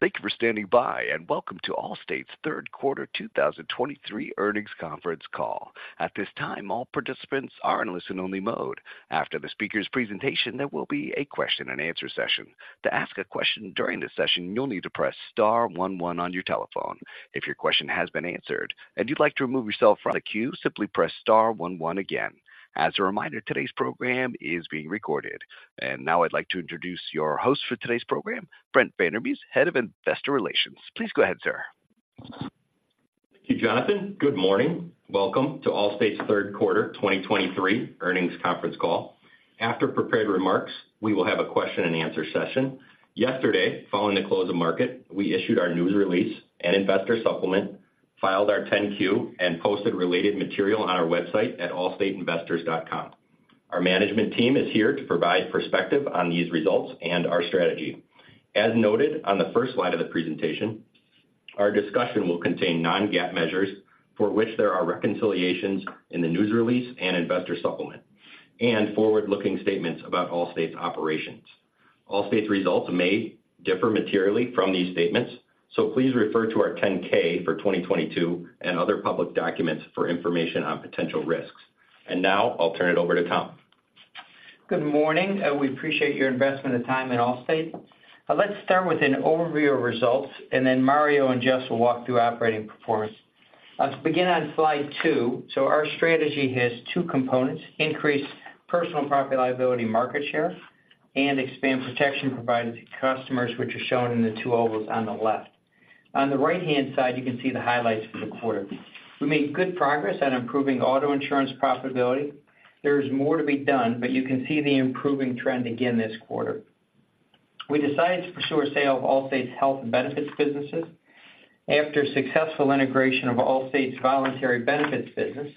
Thank you for standing by, and welcome to Allstate's third quarter 2023 earnings conference call. At this time, all participants are in listen-only mode. After the speaker's presentation, there will be a question-and-answer session. To ask a question during this session, you'll need to press star one, one on your telephone. If your question has been answered and you'd like to remove yourself from the queue, simply press star one one again. As a reminder, today's program is being recorded. And now I'd like to introduce your host for today's program, Brent Vandermause, Head of Investor Relations. Please go ahead, sir. Thank you, Jonathan. Good morning. Welcome to Allstate's third quarter 2023 earnings conference call. After prepared remarks, we will have a question-and-answer session. Yesterday, following the close of market, we issued our news release and investor supplement, filed our 10-Q, and posted related material on our website at allstateinvestors.com. Our management team is here to provide perspective on these results and our strategy. As noted on the first slide of the presentation, our discussion will contain non-GAAP measures, for which there are reconciliations in the news release and investor supplement, and forward-looking statements about Allstate's operations. Allstate's results may differ materially from these statements, so please refer to our 10-K for 2022 and other public documents for information on potential risks. Now I'll turn it over to Tom. Good morning, and we appreciate your investment of time in Allstate. Let's start with an overview of results, and then Mario and Jess will walk through operating performance. Let's begin on slide two. So our strategy has two components: Increase Personal and Property-Liability market share and expand protection provided to customers, which are shown in the two ovals on the left. On the right-hand side, you can see the highlights for the quarter. We made good progress on improving auto insurance profitability. There is more to be done, but you can see the improving trend again this quarter. We decided to pursue a sale of Allstate Health and Benefits. After successful integration of Allstate's voluntary benefits business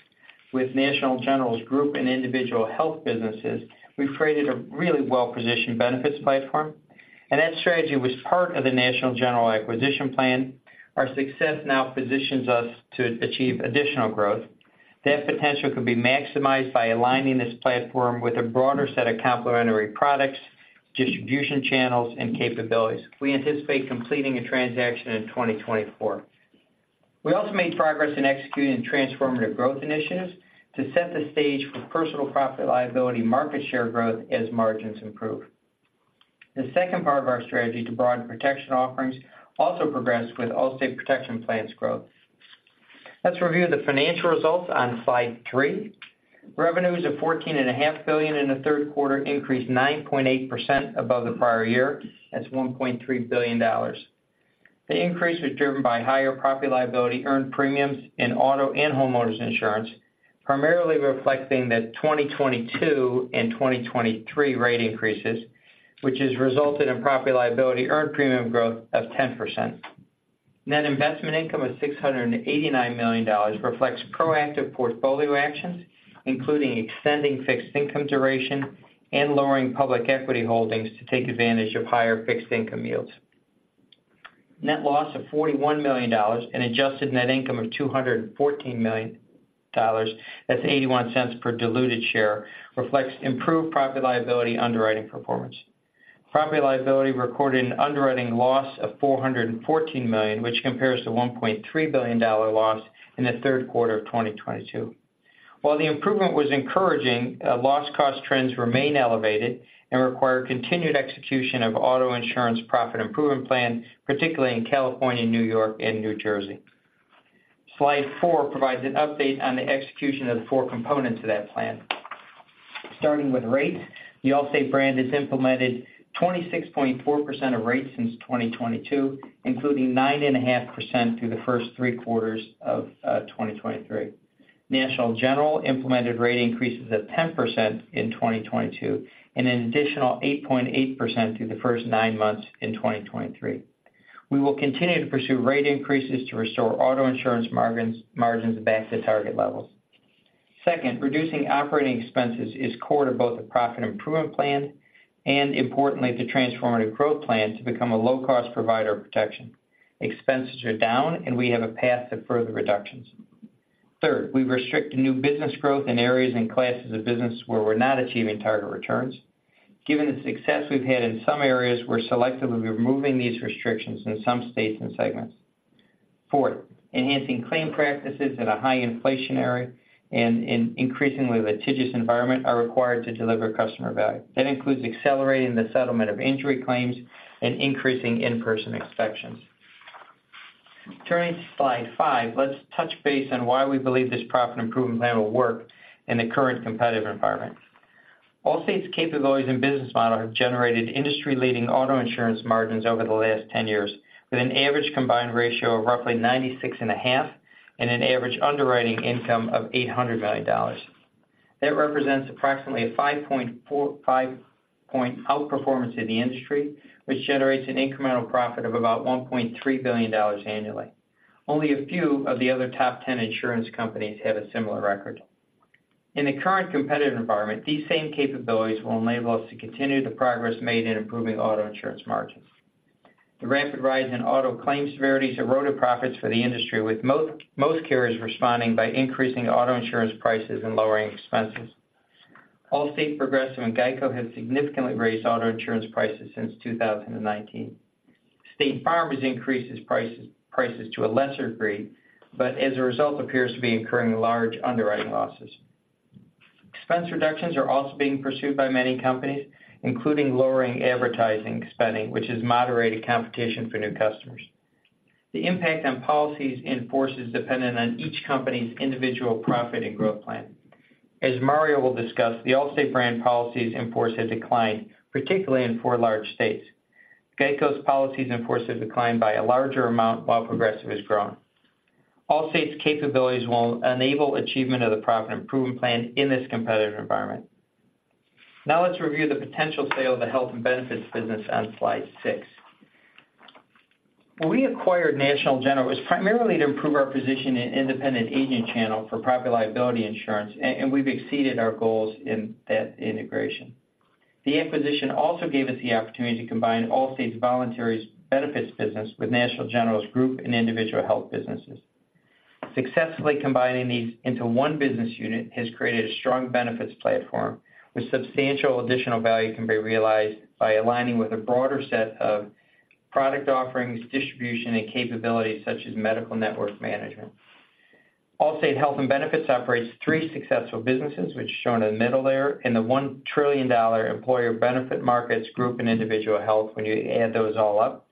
with National General's group and individual health businesses, we've created a really well-positioned benefits platform, and that strategy was part of the National General acquisition plan. Our success now positions us to achieve additional growth. That potential can be maximized by aligning this platform with a broader set of complementary products, distribution channels, and capabilities. We anticipate completing a transaction in 2024. We also made progress in executing Transformative Growth initiatives to set the stage for Property-Liability market share growth as margins improve. The second part of our strategy to broaden protection offerings also progressed with Allstate Protection Plans growth. Let's review the financial results on slide three. Revenues of $14.5 billion in the third quarter increased 9.8% above the prior year. That's $1.3 billion. The increase was driven by higher Property-Liability earned premiums in auto and homeowners insurance, primarily reflecting the 2022 and 2023 rate increases, which has resulted in Property-Liability earned premium growth of 10%. Net investment income of $689 million reflects proactive portfolio actions, including extending fixed income duration and lowering public equity holdings to take advantage of higher fixed income yields. Net loss of $41 million, an adjusted net income of $214 million, that's $0.81 per diluted share, reflects improved Property-Liability underwriting performance. Property-Liability recorded an underwriting loss of $414 million, which compares to $1.3 billion loss in the third quarter of 2022. While the improvement was encouraging, loss cost trends remain elevated and require continued execution of auto insurance profit improvement plan, particularly in California, New York, and New Jersey. Slide four provides an update on the execution of the four components of that plan. Starting with rates, the Allstate brand has implemented 26.4% of rates since 2022, including 9.5% through the first three quarters of 2023. National General implemented rate increases of 10% in 2022, and an additional 8.8% through the first nine months in 2023. We will continue to pursue rate increases to restore auto insurance margins, margins back to target levels. Second, reducing operating expenses is core to both the profit improvement plan and, importantly, the Transformative Growth plan to become a low-cost provider of protection. Expenses are down, and we have a path to further reductions. Third, we've restricted new business growth in areas and classes of business where we're not achieving target returns. Given the success we've had in some areas, we're selectively removing these restrictions in some states and segments. Fourth, enhancing claim practices in a high-inflationary and increasingly litigious environment are required to deliver customer value. That includes accelerating the settlement of injury claims and increasing in-person inspections. Turning to slide five, let's touch base on why we believe this profit improvement plan will work in the current competitive environment. Allstate's capabilities and business model have generated industry-leading auto insurance margins over the last 10 years, with an average combined ratio of roughly 96.5%, and an average underwriting income of $800 million. That represents approximately a 5.45-point outperformance in the industry, which generates an incremental profit of about $1.3 billion annually. Only a few of the other top 10 insurance companies have a similar record. In the current competitive environment, these same capabilities will enable us to continue the progress made in improving auto insurance margins. The rapid rise in auto claim severity has eroded profits for the industry, with most carriers responding by increasing auto insurance prices and lowering expenses. Allstate, Progressive, and GEICO have significantly raised auto insurance prices since 2019. State Farm increases prices to a lesser degree, but as a result, appears to be incurring large underwriting losses. Expense reductions are also being pursued by many companies, including lowering advertising spending, which has moderated competition for new customers. The impact on policies in force is dependent on each company's individual profit and growth plan. As Mario will discuss, the Allstate brand policies in force have declined, particularly in four large states. GEICO's policies in force have declined by a larger amount, while Progressive has grown. Allstate's capabilities will enable achievement of the profit improvement plan in this competitive environment. Now, let's review the potential sale of the Health and Benefits business on slide six. When we acquired National General, it was primarily to improve our position in independent agent channel for Property-Liability insurance, and we've exceeded our goals in that integration. The acquisition also gave us the opportunity to combine Allstate's voluntary benefits business with National General's group and individual health businesses. Successfully combining these into one business unit has created a strong benefits platform, where substantial additional value can be realized by aligning with a broader set of product offerings, distribution, and capabilities, such as medical network management. Allstate Health and Benefits operates three successful businesses, which is shown in the middle there, in the $1 trillion employer benefit markets, group and individual health, when you add those all up.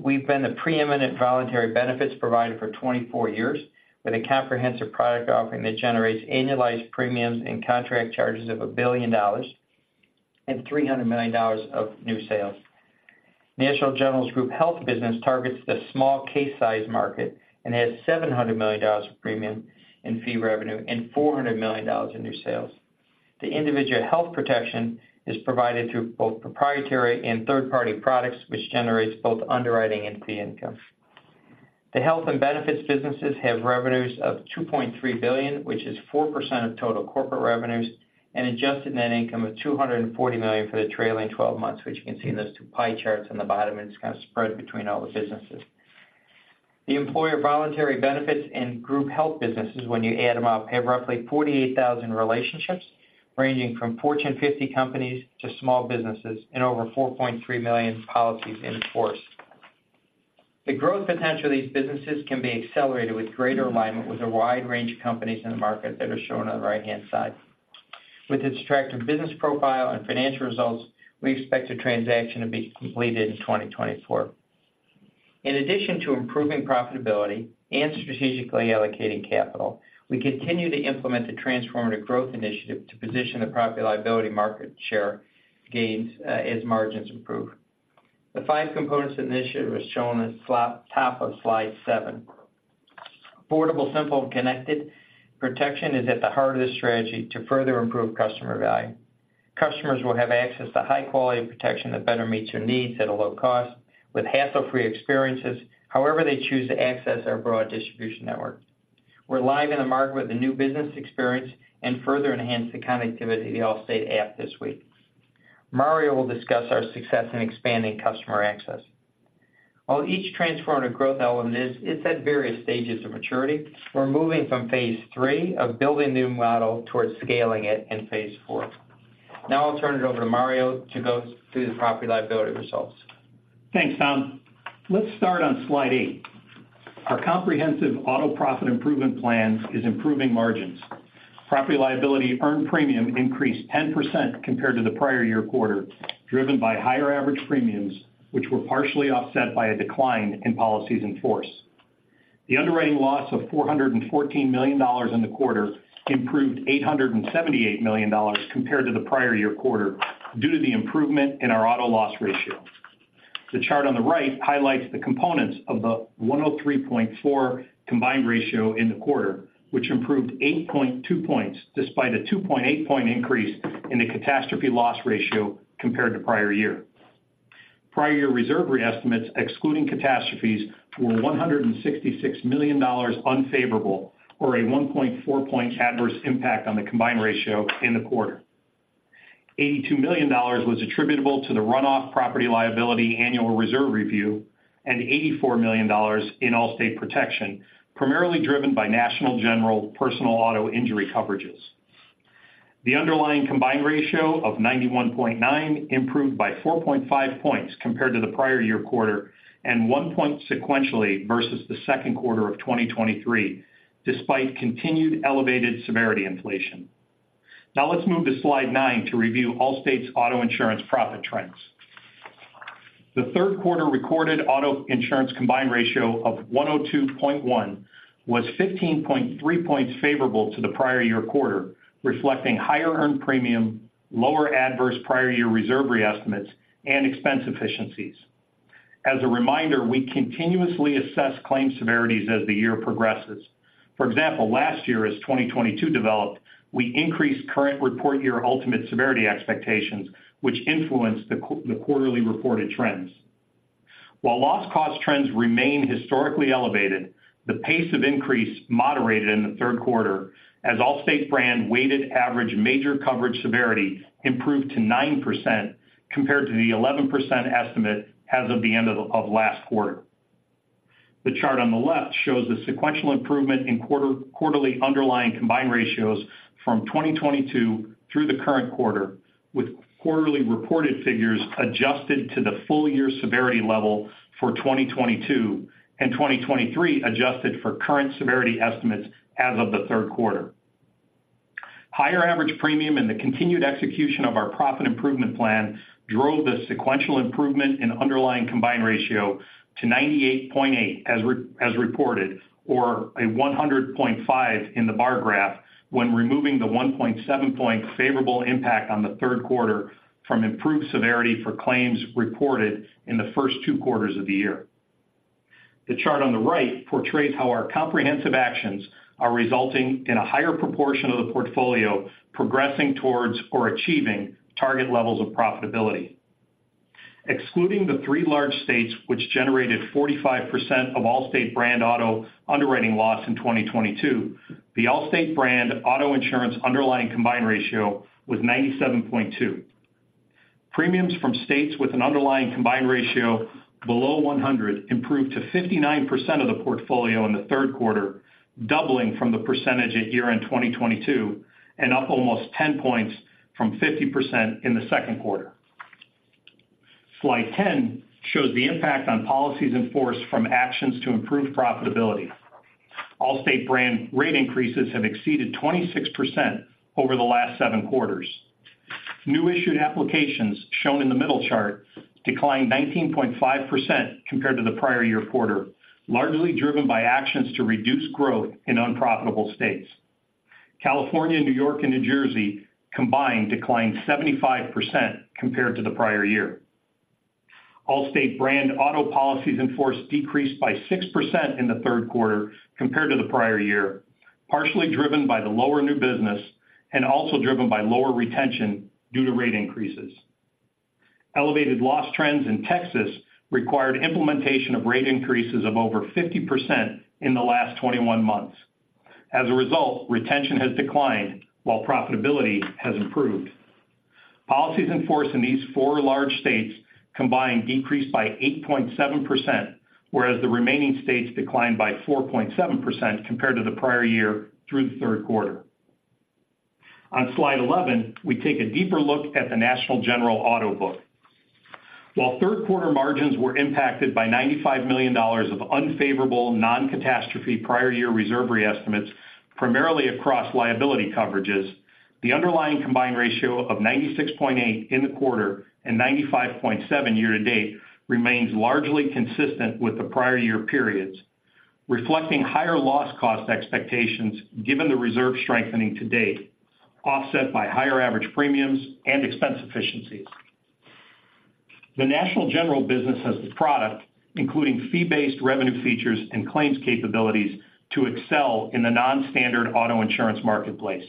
We've been the preeminent voluntary benefits provider for 24 years, with a comprehensive product offering that generates annualized premiums and contract charges of $1 billion, and $300 million of new sales. National General's Group Health business targets the small case size market and has $700 million of premium in fee revenue and $400 million in new sales. The individual health protection is provided through both proprietary and third-party products, which generates both underwriting and fee income. The Health and Benefits businesses have revenues of $2.3 billion, which is 4% of total corporate revenues, and adjusted net income of $240 million for the trailing twelve months, which you can see in those two pie charts on the bottom, and it's kind of spread between all the businesses. The employer voluntary benefits and group health businesses, when you add them up, have roughly 48,000 relationships, ranging from Fortune 50 companies to small businesses and over 4.3 million policies in force. The growth potential of these businesses can be accelerated with greater alignment with a wide range of companies in the market that are shown on the right-hand side. With its attractive business profile and financial results, we expect the transaction to be completed in 2024. In addition to improving profitability and strategically allocating capital, we continue to implement the Transformative Growth initiative to position the Property-Liability market share gains, as margins improve. The five components initiative is shown on slide, top of slide seven. Affordable, simple, and connected protection is at the heart of this strategy to further improve customer value. Customers will have access to high-quality protection that better meets their needs at a low cost with hassle-free experiences, however they choose to access our broad distribution network. We're live in the market with a new business experience and further enhance the connectivity of the Allstate app this week. Mario will discuss our success in expanding customer access. While each Transformative Growth element is, it's at various stages of maturity, we're moving from phase three of building a new model towards scaling it in phase four. Now I'll turn it over to Mario to go through the Property-Liability results. Thanks, Tom. Let's start on slide eight. Our comprehensive auto profit improvement plan is improving margins. Property-Liability earned premium increased 10% compared to the prior-year quarter, driven by higher average premiums, which were partially offset by a decline in policies in force. The underwriting loss of $414 million in the quarter improved $878 million compared to the prior-year quarter due to the improvement in our auto loss ratio. The chart on the right highlights the components of the 103.4 Combined Ratio in the quarter, which improved 8.2 points, despite a 2.8-point increase in the catastrophe loss ratio compared to prior year. Prior Year Reserve Re-estimates, excluding catastrophes, were $166 million unfavorable, or a 1.4-point adverse impact on the Combined Ratio in the quarter. $82 million was attributable to the Run-off Property-Liability annual reserve review, and $84 million in Allstate Protection, primarily driven by National General personal auto injury coverages. The Underlying Combined Ratio of 91.9 improved by 4.5 points compared to the prior year quarter, and 1 point sequentially versus the second quarter of 2023, despite continued elevated Severity inflation. Now, let's move to slide nine to review Allstate's auto insurance profit trends. The third quarter recorded auto insurance Combined Ratio of 102.1, was 15.3 points favorable to the prior year quarter, reflecting higher Earned Premium, lower adverse Prior Year Reserve Re-estimates, and expense efficiencies. As a reminder, we continuously assess claim severities as the year progresses. For example, last year, as 2022 developed, we increased current report year ultimate severity expectations, which influenced the quarterly reported trends. While loss cost trends remain historically elevated, the pace of increase moderated in the third quarter, as Allstate's brand weighted average major coverage severity improved to 9% compared to the 11% estimate as of the end of last quarter. The chart on the left shows a sequential improvement in quarterly underlying combined ratios from 2022 through the current quarter, with quarterly reported figures adjusted to the full year severity level for 2022 and 2023, adjusted for current severity estimates as of the third quarter. Higher average premium and the continued execution of our profit improvement plan drove the sequential improvement in underlying combined ratio to 98.8, as reported, or 100.5 in the bar graph, when removing the 1.7 points favorable impact on the third quarter from improved severity for claims reported in the first two quarters of the year. The chart on the right portrays how our comprehensive actions are resulting in a higher proportion of the portfolio progressing towards or achieving target levels of profitability. Excluding the three large states, which generated 45% of Allstate brand auto underwriting loss in 2022, the Allstate brand auto insurance underlying combined ratio was 97.2. Premiums from states with an underlying combined ratio below 100 improved to 59% of the portfolio in the third quarter, doubling from the percentage at year-end 2022 and up almost 10 points from 50% in the second quarter. Slide 10 shows the impact on policies in force from actions to improve profitability. Allstate brand rate increases have exceeded 26% over the last seven quarters. New issued applications, shown in the middle chart, declined 19.5% compared to the prior year quarter, largely driven by actions to reduce growth in unprofitable states. California, New York, and New Jersey combined declined 75% compared to the prior year. Allstate brand auto policies in force decreased by 6% in the third quarter compared to the prior year, partially driven by the lower new business and also driven by lower retention due to rate increases. Elevated loss trends in Texas required implementation of rate increases of over 50% in the last 21 months. As a result, retention has declined while profitability has improved. Policies in force in these four large states combined decreased by 8.7%, whereas the remaining states declined by 4.7% compared to the prior year through the third quarter. On slide 11, we take a deeper look at the National General Auto book. While third quarter margins were impacted by $95 million of unfavorable non-catastrophe prior year reserve re-estimates, primarily across liability coverages, the underlying combined ratio of 96.8 in the quarter and 95.7 year to date remains largely consistent with the prior year periods, reflecting higher loss cost expectations given the reserve strengthening to date, offset by higher average premiums and expense efficiencies. The National General business has the product, including fee-based revenue features and claims capabilities, to excel in the non-standard auto insurance marketplace.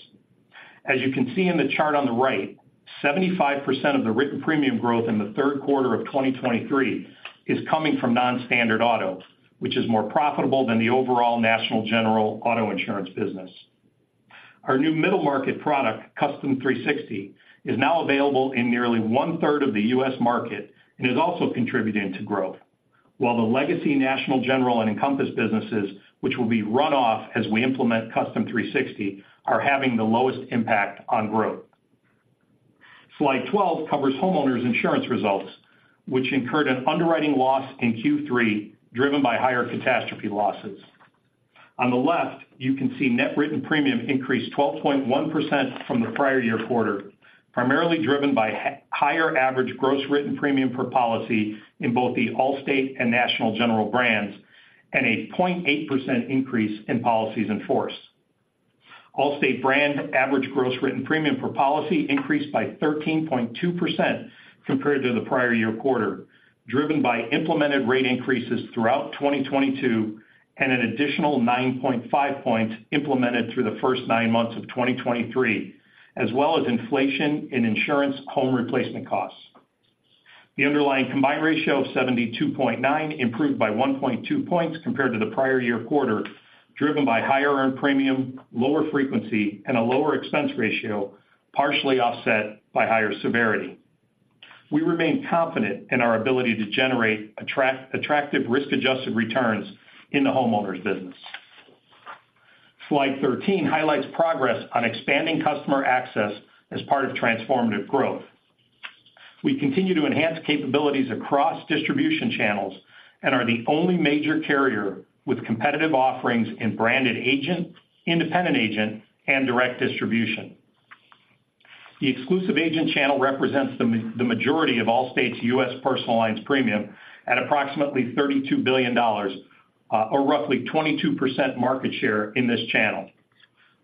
As you can see in the chart on the right, 75% of the written premium growth in the third quarter of 2023 is coming from non-standard auto, which is more profitable than the overall National General Auto Insurance business. Our new middle market product, Custom 360, is now available in nearly one-third of the U.S. market and is also contributing to growth. While the legacy National General and Encompass businesses, which will be run off as we implement Custom 360, are having the lowest impact on growth. Slide 12 covers homeowners insurance results, which incurred an underwriting loss in Q3, driven by higher catastrophe losses. On the left, you can see net written premium increased 12.1% from the prior year quarter, primarily driven by higher average gross written premium per policy in both the Allstate and National General brands, and a 0.8% increase in policies in force. Allstate brand average gross written premium per policy increased by 13.2% compared to the prior year quarter, driven by implemented rate increases throughout 2022 and an additional 9.5 points implemented through the first nine months of 2023, as well as inflation in insurable home replacement costs. The Underlying Combined Ratio of 72.9 improved by 1.2 points compared to the prior year quarter, driven by higher earned premium, lower frequency, and a lower expense ratio, partially offset by higher severity. We remain confident in our ability to generate attractive risk-adjusted returns in the homeowners business. Slide 13 highlights progress on expanding customer access as part of Transformative Growth. We continue to enhance capabilities across distribution channels and are the only major carrier with competitive offerings in branded agent, independent agent, and direct distribution. The exclusive agent channel represents the majority of Allstate's U.S. personal lines premium at approximately $32 billion, or roughly 22% market share in this channel.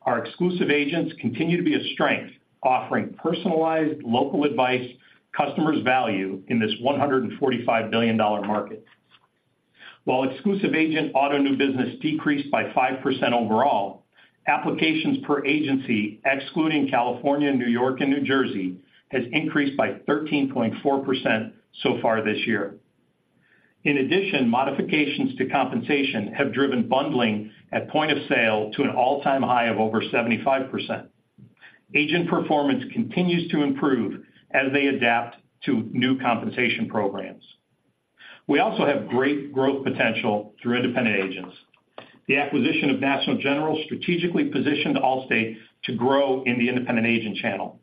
Our exclusive agents continue to be a strength, offering personalized local advice customers value in this $145 billion market. While exclusive agent auto new business decreased by 5% overall, applications per agency, excluding California, New York, and New Jersey, has increased by 13.4% so far this year. In addition, modifications to compensation have driven bundling at point of sale to an all-time high of over 75%. Agent performance continues to improve as they adapt to new compensation programs. We also have great growth potential through independent agents. The acquisition of National General strategically positioned Allstate to grow in the independent agent channel.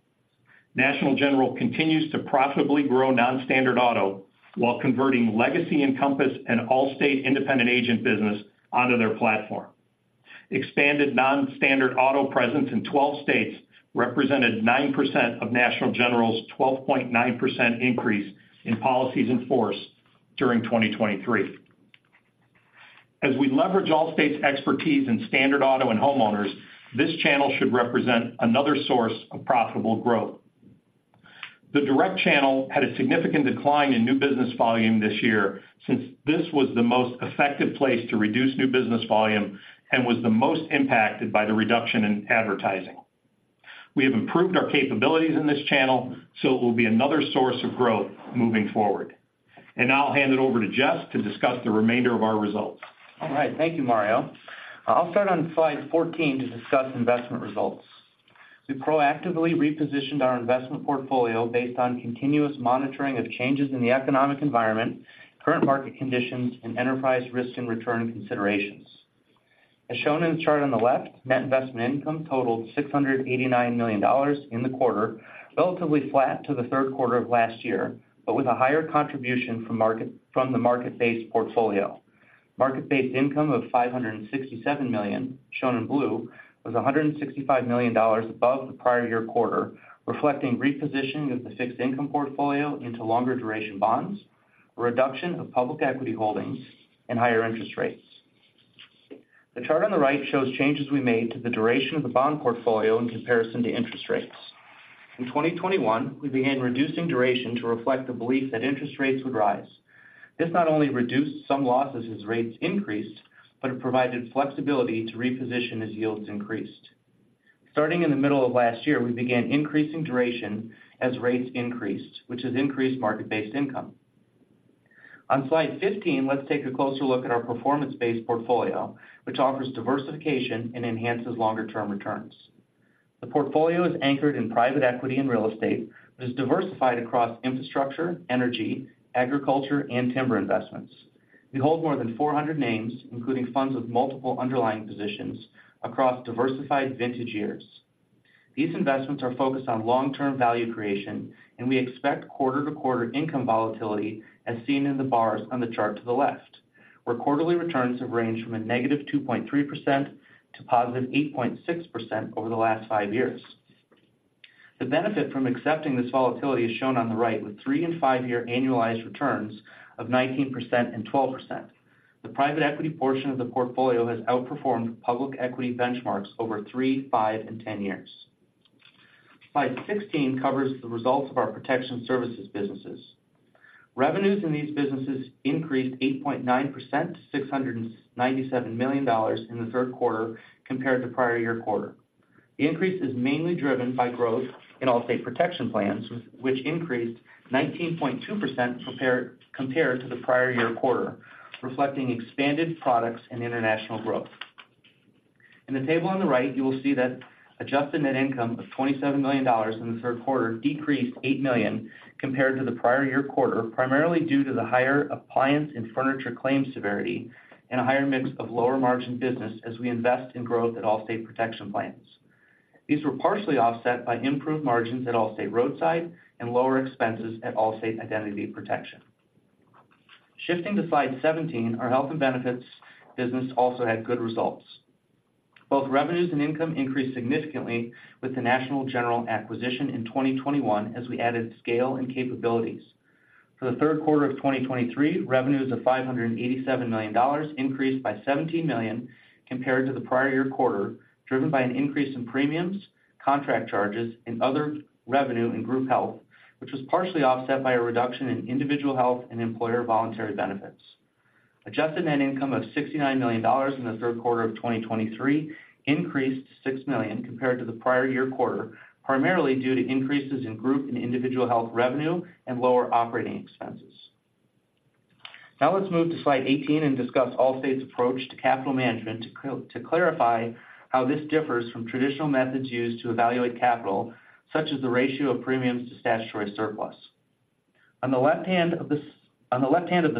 National General continues to profitably grow non-standard auto while converting legacy Encompass and Allstate independent agent business onto their platform. Expanded non-standard auto presence in 12 states represented 9% of National General's 12.9% increase in policies in force during 2023. As we leverage Allstate's expertise in standard auto and homeowners, this channel should represent another source of profitable growth. The direct channel had a significant decline in new business volume this year, since this was the most effective place to reduce new business volume and was the most impacted by the reduction in advertising. We have improved our capabilities in this channel, so it will be another source of growth moving forward. And now I'll hand it over to Jess to discuss the remainder of our results. All right, thank you, Mario. I'll start on slide 14 to discuss investment results. We proactively repositioned our investment portfolio based on continuous monitoring of changes in the economic environment, current market conditions, and enterprise risk and return considerations. As shown in the chart on the left, net investment income totaled $689 million in the quarter, relatively flat to the third quarter of last year, but with a higher contribution from the market-based portfolio. Market-based income of $567 million, shown in blue, was $165 million above the prior year quarter, reflecting repositioning of the fixed income portfolio into longer duration bonds, a reduction of public equity holdings, and higher interest rates. The chart on the right shows changes we made to the duration of the bond portfolio in comparison to interest rates. In 2021, we began reducing duration to reflect the belief that interest rates would rise. This not only reduced some losses as rates increased, but it provided flexibility to reposition as yields increased. Starting in the middle of last year, we began increasing duration as rates increased, which has increased market-based income. On slide 15, let's take a closer look at our performance-based portfolio, which offers diversification and enhances longer-term returns. The portfolio is anchored in private equity and real estate, but is diversified across infrastructure, energy, agriculture, and timber investments. We hold more than 400 names, including funds with multiple underlying positions across diversified vintage years. These investments are focused on long-term value creation, and we expect quarter-to-quarter income volatility, as seen in the bars on the chart to the left, where quarterly returns have ranged from -2.3% to +8.6% over the last five years. The benefit from accepting this volatility is shown on the right, with three- and five-year annualized returns of 19% and 12%. The private equity portion of the portfolio has outperformed public equity benchmarks over three, five, and 10 years. Slide 16 covers the results of our Protection Services businesses. Revenues in these businesses increased 8.9% to $697 million in the third quarter compared to prior-year quarter. The increase is mainly driven by growth in Allstate Protection Plans, which increased 19.2% compared to the prior year quarter, reflecting expanded products and international growth. In the table on the right, you will see that adjusted net income of $27 million in the third quarter decreased $8 million compared to the prior year quarter, primarily due to the higher appliance and furniture claim severity and a higher mix of lower margin business as we invest in growth at Allstate Protection Plans. These were partially offset by improved margins at Allstate Roadside and lower expenses at Allstate Identity Protection. Shifting to slide 17, our Health and Benefits business also had good results. Both revenues and income increased significantly with the National General acquisition in 2021, as we added scale and capabilities. For the third quarter of 2023, revenues of $587 million increased by $70 million compared to the prior year quarter, driven by an increase in premiums, contract charges, and other revenue in group health, which was partially offset by a reduction in individual health and employer voluntary benefits. Adjusted net income of $69 million in the third quarter of 2023 increased $6 million compared to the prior year quarter, primarily due to increases in group and individual health revenue and lower operating expenses. Now let's move to slide 18 and discuss Allstate's approach to capital management, to clarify how this differs from traditional methods used to evaluate capital, such as the ratio of premiums to statutory surplus. On the left hand of the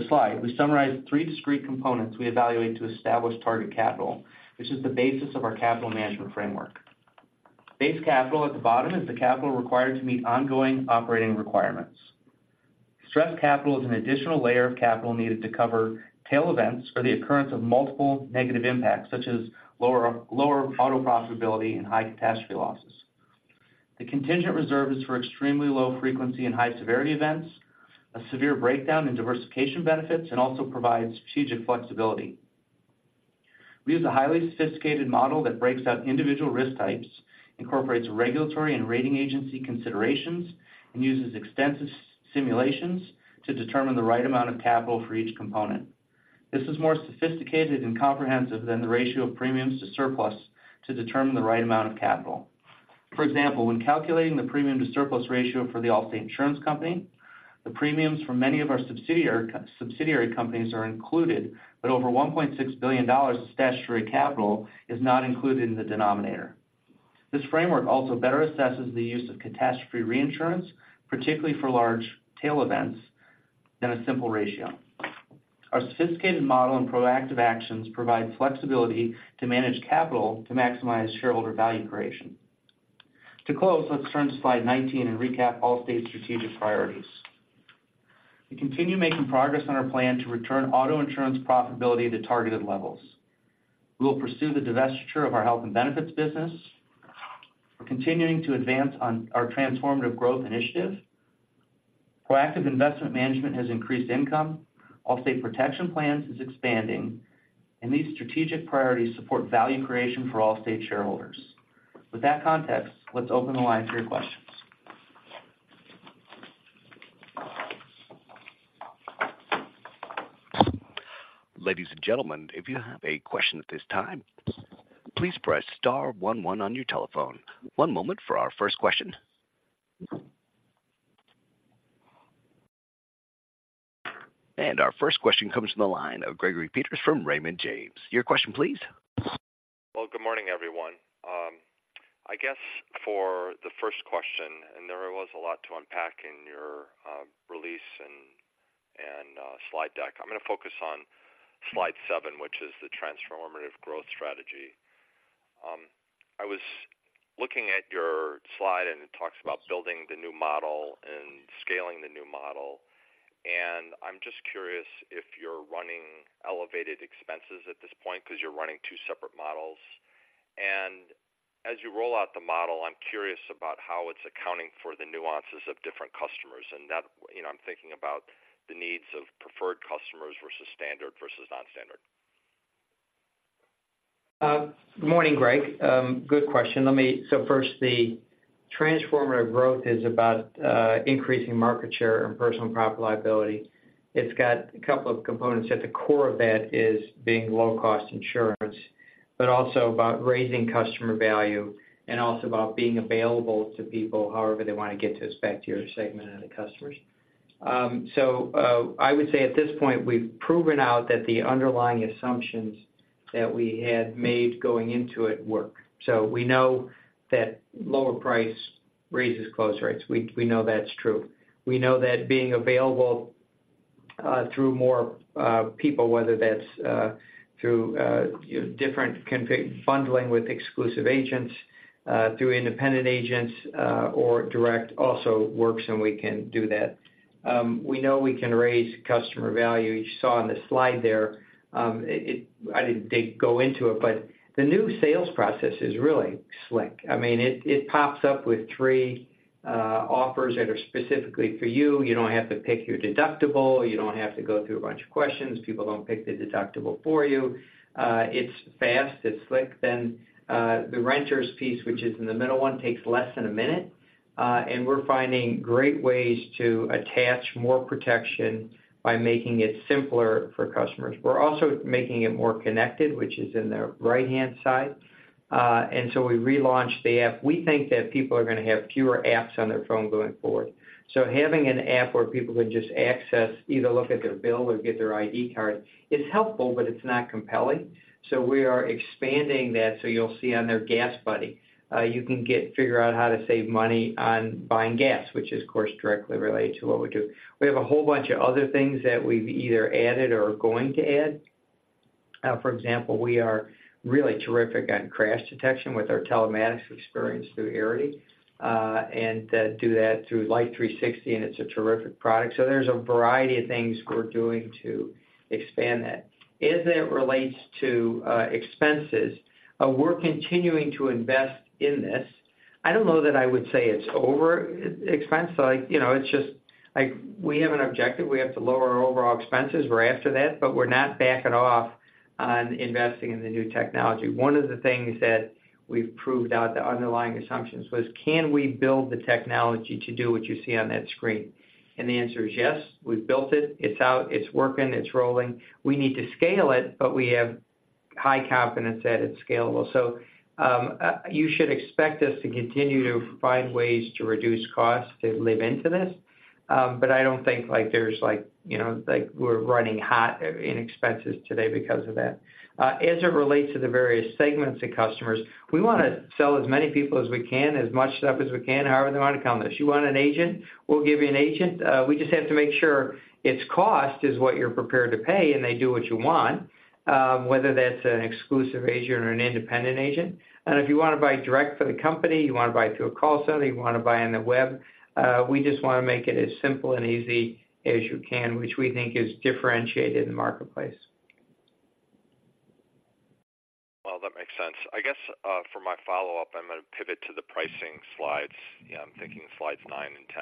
slide, we summarize three discrete components we evaluate to establish target capital, which is the basis of our capital management framework. Base capital, at the bottom, is the capital required to meet ongoing operating requirements. Stress capital is an additional layer of capital needed to cover tail events or the occurrence of multiple negative impacts, such as lower, lower auto profitability and high catastrophe losses. The contingent reserve is for extremely low frequency and high severity events, a severe breakdown in diversification benefits, and also provides strategic flexibility. We use a highly sophisticated model that breaks out individual risk types, incorporates regulatory and rating agency considerations, and uses extensive simulations to determine the right amount of capital for each component. This is more sophisticated and comprehensive than the ratio of premiums to surplus to determine the right amount of capital. For example, when calculating the premium to surplus ratio for the Allstate Insurance Company. The premiums for many of our subsidiary companies are included, but over $1.6 billion of statutory capital is not included in the denominator. This framework also better assesses the use of catastrophe reinsurance, particularly for large tail events, than a simple ratio. Our sophisticated model and proactive actions provide flexibility to manage capital to maximize shareholder value creation. To close, let's turn to slide 19 and recap Allstate's strategic priorities. We continue making progress on our plan to return auto insurance profitability to targeted levels. We will pursue the divestiture of our Health and Benefits business. We're continuing to advance on our Transformative Growth initiative. Proactive investment management has increased income. Allstate Protection Plans is expanding, and these strategic priorities support value creation for Allstate shareholders. With that context, let's open the line to your questions. Ladies and gentlemen, if you have a question at this time, please press star one, one on your telephone. One moment for our first question. Our first question comes from the line of Gregory Peters from Raymond James. Your question, please. Well, good morning, everyone. I guess for the first question, and there was a lot to unpack in your release and slide deck. I'm going to focus on slide seven, which is the Transformative Growth strategy. I was looking at your slide, and it talks about building the new model and scaling the new model. And I'm just curious if you're running elevated expenses at this point because you're running two separate models. And as you roll out the model, I'm curious about how it's accounting for the nuances of different customers, and that, you know, I'm thinking about the needs of preferred customers versus standard versus non-standard. Good morning, Greg. Good question. So first, the Transformative Growth is about increasing market share and Property-Liability. It's got a couple of components. At the core of that is being low-cost insurance, but also about raising customer value and also about being available to people however they want to get to us, back to your segment of the customers. So I would say at this point, we've proven out that the underlying assumptions that we had made going into it work. So we know that lower price raises close rates. We know that's true. We know that being available through more people, whether that's through you know, different config bundling with exclusive agents through independent agents or direct, also works, and we can do that. We know we can raise customer value. You saw on the slide there, it-- I didn't dig into it, but the new sales process is really slick. I mean, it pops up with three offers that are specifically for you. You don't have to pick your deductible. You don't have to go through a bunch of questions. People don't pick the deductible for you. It's fast, it's slick, then the renter's piece, which is in the middle one, takes less than a minute, and we're finding great ways to attach more protection by making it simpler for customers. We're also making it more connected, which is in the right-hand side. And so we relaunched the app. We think that people are going to have fewer apps on their phone going forward. So having an app where people can just access, either look at their bill or get their ID card, it's helpful, but it's not compelling. So we are expanding that. So you'll see on their GasBuddy, you can figure out how to save money on buying gas, which is, of course, directly related to what we do. We have a whole bunch of other things that we've either added or are going to add. For example, we are really terrific on crash detection with our telematics experience through Arity, and do that through Life360, and it's a terrific product. So there's a variety of things we're doing to expand that. As it relates to expenses, we're continuing to invest in this. I don't know that I would say it's over expense. So, like, you know, it's just like we have an objective. We have to lower our overall expenses. We're after that, but we're not backing off on investing in the new technology. One of the things that we've proved out, the underlying assumptions, was can we build the technology to do what you see on that screen? And the answer is yes, we've built it, it's out, it's working, it's rolling. We need to scale it, but we have high confidence that it's scalable. So, you should expect us to continue to find ways to reduce costs to live into this. But I don't think, like, there's like, you know, like we're running hot in expenses today because of that. As it relates to the various segments of customers, we want to sell as many people as we can, as much stuff as we can, however they want to come to us. You want an agent, we'll give you an agent. We just have to make sure its cost is what you're prepared to pay, and they do what you want, whether that's an exclusive agent or an independent agent. And if you want to buy direct from the company, you want to buy through a call center, you want to buy on the web, we just want to make it as simple and easy as you can, which we think is differentiated in the marketplace. Well, that makes sense. I guess, for my follow-up, I'm going to pivot to the pricing slides. Yeah, I'm thinking slides nine and 10.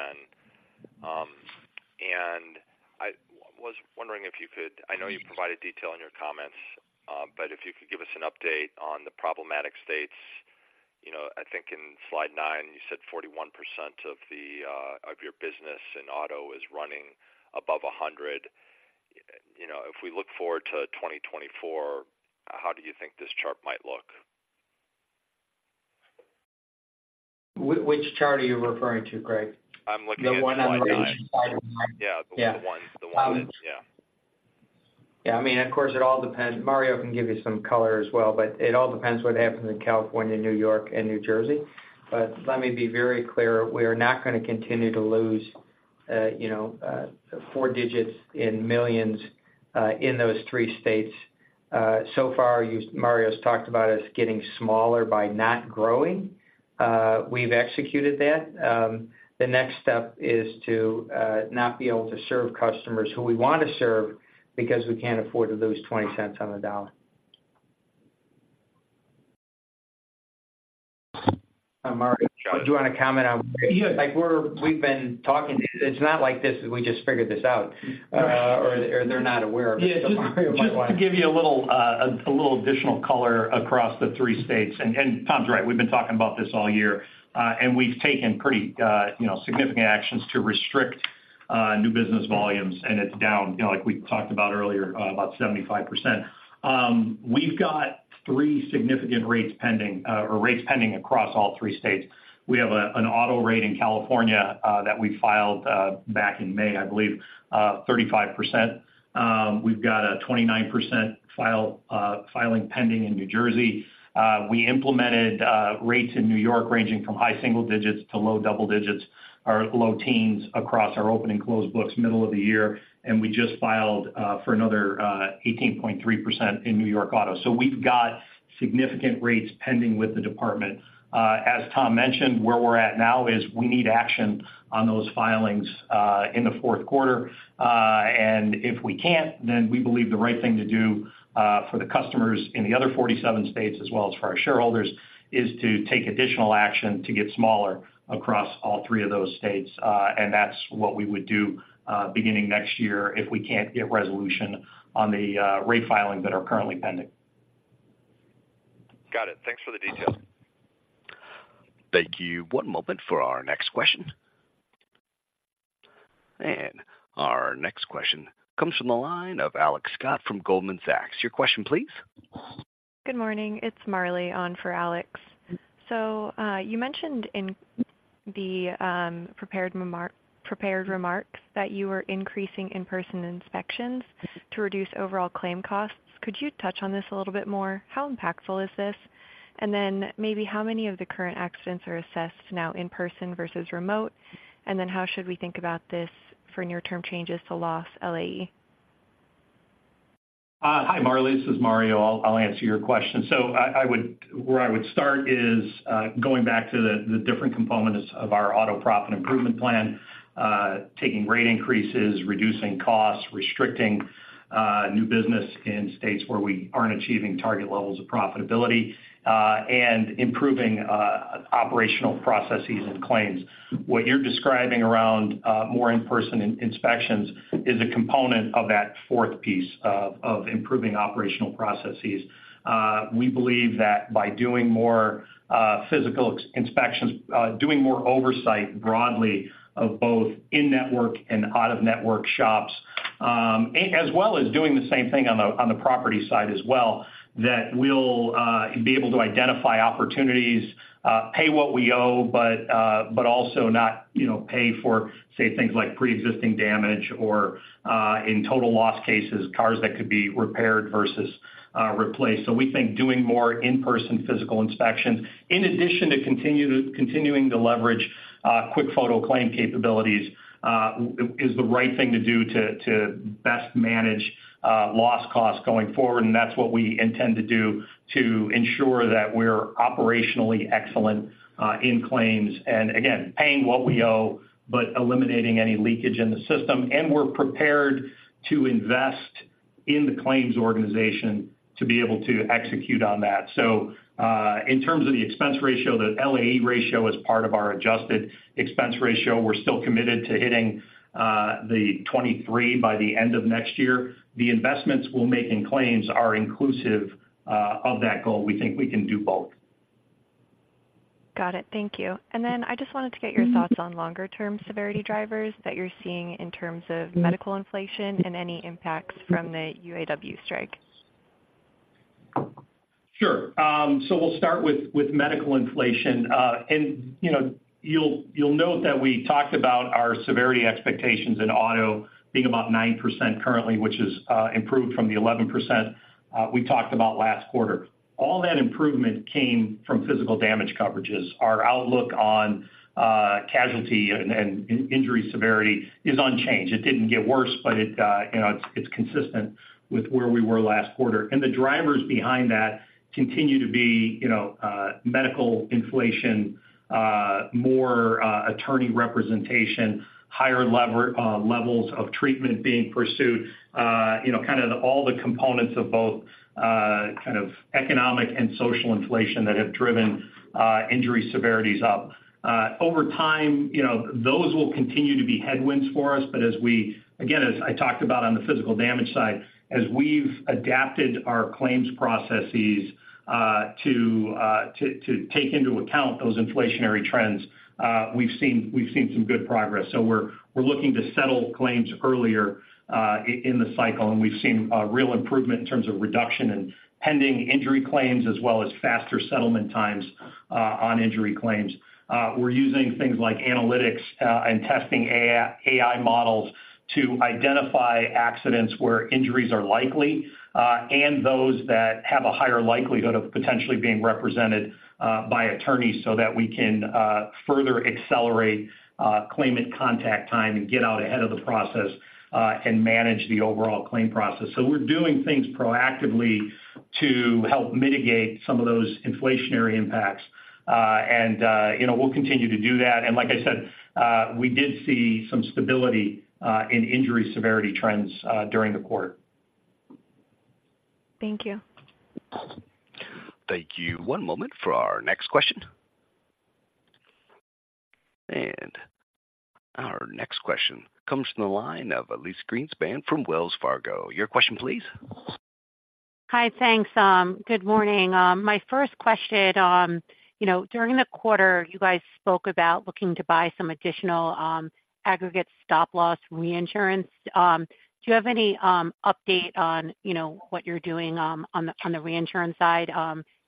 I was wondering if you could. I know you provided detail in your comments, but if you could give us an update on the problematic states. You know, I think in slide nine, you said 41% of the, of your business in auto is running above 100. You know, if we look forward to 2024, how do you think this chart might look? Which chart are you referring to, Craig? I'm looking at the one on- The one on the right. Yeah, the one, the one that's. Yeah. Yeah, I mean, of course, it all depends. Mario can give you some color as well, but it all depends what happens in California, New York, and New Jersey. But let me be very clear, we are not gonna continue to lose, you know, four digits in millions in those three states. So far, Mario's talked about us getting smaller by not growing. We've executed that. The next step is to not be able to serve customers who we want to serve because we can't afford to lose 20 cents on the dollar. Mario, do you want to comment on? Yeah. Like, we've been talking. It's not like this, we just figured this out, or they're not aware of it. Just to give you a little additional color across the three states. Tom's right, we've been talking about this all year, and we've taken pretty, you know, significant actions to restrict new business volumes, and it's down, you know, like we talked about earlier, about 75%. We've got three significant rates pending, or rates pending across all three states. We have an auto rate in California that we filed back in May, I believe, 35%. We've got a 29% filing pending in New Jersey. We implemented rates in New York, ranging from high single digits to low double digits or low teens across our open and closed books, middle of the year, and we just filed for another 18.3% in New York Auto. So we've got significant rates pending with the department. As Tom mentioned, where we're at now is we need action on those filings in the fourth quarter. And if we can't, then we believe the right thing to do for the customers in the other 47 states, as well as for our shareholders, is to take additional action to get smaller across all three of those states. And that's what we would do beginning next year, if we can't get resolution on the rate filings that are currently pending. Got it. Thanks for the details. Thank you. One moment for our next question. Our next question comes from the line of Alex Scott from Goldman Sachs. Your question, please. Good morning, it's Marley on for Alex. So, you mentioned in the prepared remarks that you were increasing in-person inspections to reduce overall claim costs. Could you touch on this a little bit more? How impactful is this? And then maybe how many of the current accidents are assessed now in person versus remote? And then how should we think about this for near-term changes to loss LAE? Hi, Marley, this is Mario. I'll answer your question. So, where I would start is going back to the different components of our auto profit improvement plan, taking rate increases, reducing costs, restricting new business in states where we aren't achieving target levels of profitability, and improving operational processes and claims. What you're describing around more in-person inspections is a component of that fourth piece of improving operational processes. We believe that by doing more physical inspections, doing more oversight broadly of both in-network and out-of-network shops, as well as doing the same thing on the property side as well, that we'll be able to identify opportunities, pay what we owe, but also not, you know, pay for, say, things like preexisting damage or in total loss cases, cars that could be repaired versus replaced. So we think doing more in-person physical inspections, in addition to continuing to leverage quick photo claim capabilities, is the right thing to do to best manage loss costs going forward. And that's what we intend to do to ensure that we're operationally excellent in claims, and again, paying what we owe, but eliminating any leakage in the system. We're prepared to invest in the claims organization to be able to execute on that. So, in terms of the expense ratio, the LAE ratio is part of our adjusted expense ratio. We're still committed to hitting the 2023 by the end of next year. The investments we'll make in claims are inclusive of that goal. We think we can do both. Got it. Thank you. And then I just wanted to get your thoughts on longer-term severity drivers that you're seeing in terms of medical inflation and any impacts from the UAW strike. Sure. So we'll start with, with medical inflation. And, you know, you'll, you'll note that we talked about our severity expectations in auto being about 9% currently, which is improved from the 11% we talked about last quarter. All that improvement came from physical damage coverages. Our outlook on casualty and injury severity is unchanged. It didn't get worse, but it, you know, it's consistent with where we were last quarter. And the drivers behind that continue to be, you know, medical inflation, more attorney representation, higher levels of treatment being pursued, you know, kind of all the components of both kind of economic and social inflation that have driven injury severities up. Over time, you know, those will continue to be headwinds for us. But again, as I talked about on the physical damage side, as we've adapted our claims processes to take into account those inflationary trends, we've seen some good progress. So we're looking to settle claims earlier in the cycle, and we've seen a real improvement in terms of reduction in pending injury claims, as well as faster settlement times on injury claims. We're using things like analytics and testing AI models to identify accidents where injuries are likely and those that have a higher likelihood of potentially being represented by attorneys so that we can further accelerate claimant contact time and get out ahead of the process and manage the overall claim process. So we're doing things proactively to help mitigate some of those inflationary impacts. You know, we'll continue to do that. Like I said, we did see some stability in injury severity trends during the quarter. Thank you. Thank you. One moment for our next question. Our next question comes from the line of Elyse Greenspan from Wells Fargo. Your question, please. Hi, thanks. Good morning. My first question, you know, during the quarter, you guys spoke about looking to buy some additional aggregate stop loss reinsurance. Do you have any update on, you know, what you're doing on the reinsurance side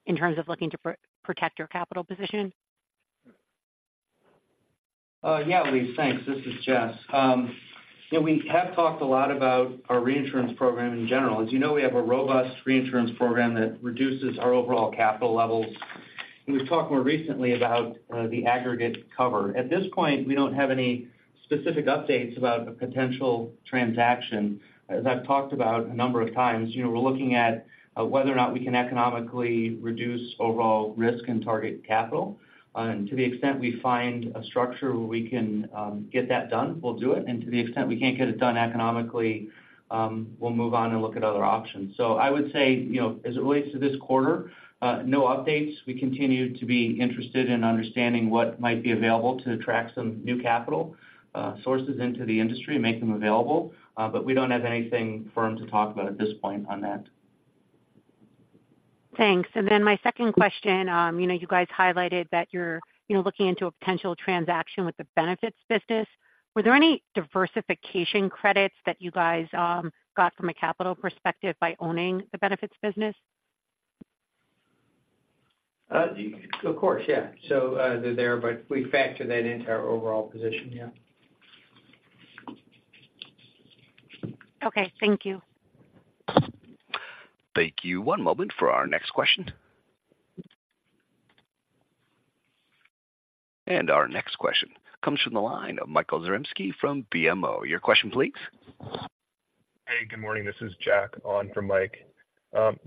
in terms of looking to protect your capital position? Yeah, Elyse, thanks. This is Jess. You know, we have talked a lot about our reinsurance program in general. As you know, we have a robust reinsurance program that reduces our overall capital levels. And we've talked more recently about the aggregate cover. At this point, we don't have any specific updates about a potential transaction. As I've talked about a number of times, you know, we're looking at whether or not we can economically reduce overall risk and target capital. And to the extent we find a structure where we can get that done, we'll do it. And to the extent we can't get it done economically, we'll move on and look at other options. So I would say, you know, as it relates to this quarter, no updates. We continue to be interested in understanding what might be available to attract some new capital, sources into the industry and make them available, but we don't have anything firm to talk about at this point on that. Thanks. And then my second question, you know, you guys highlighted that you're, you know, looking into a potential transaction with the benefits business. Were there any diversification credits that you guys got from a capital perspective by owning the benefits business? Of course, yeah. So, they're there, but we factor that into our overall position, yeah. Okay, thank you. Thank you. One moment for our next question. Our next question comes from the line of Michael Zarembski from BMO. Your question, please. Hey, good morning. This is Jack on for Mike.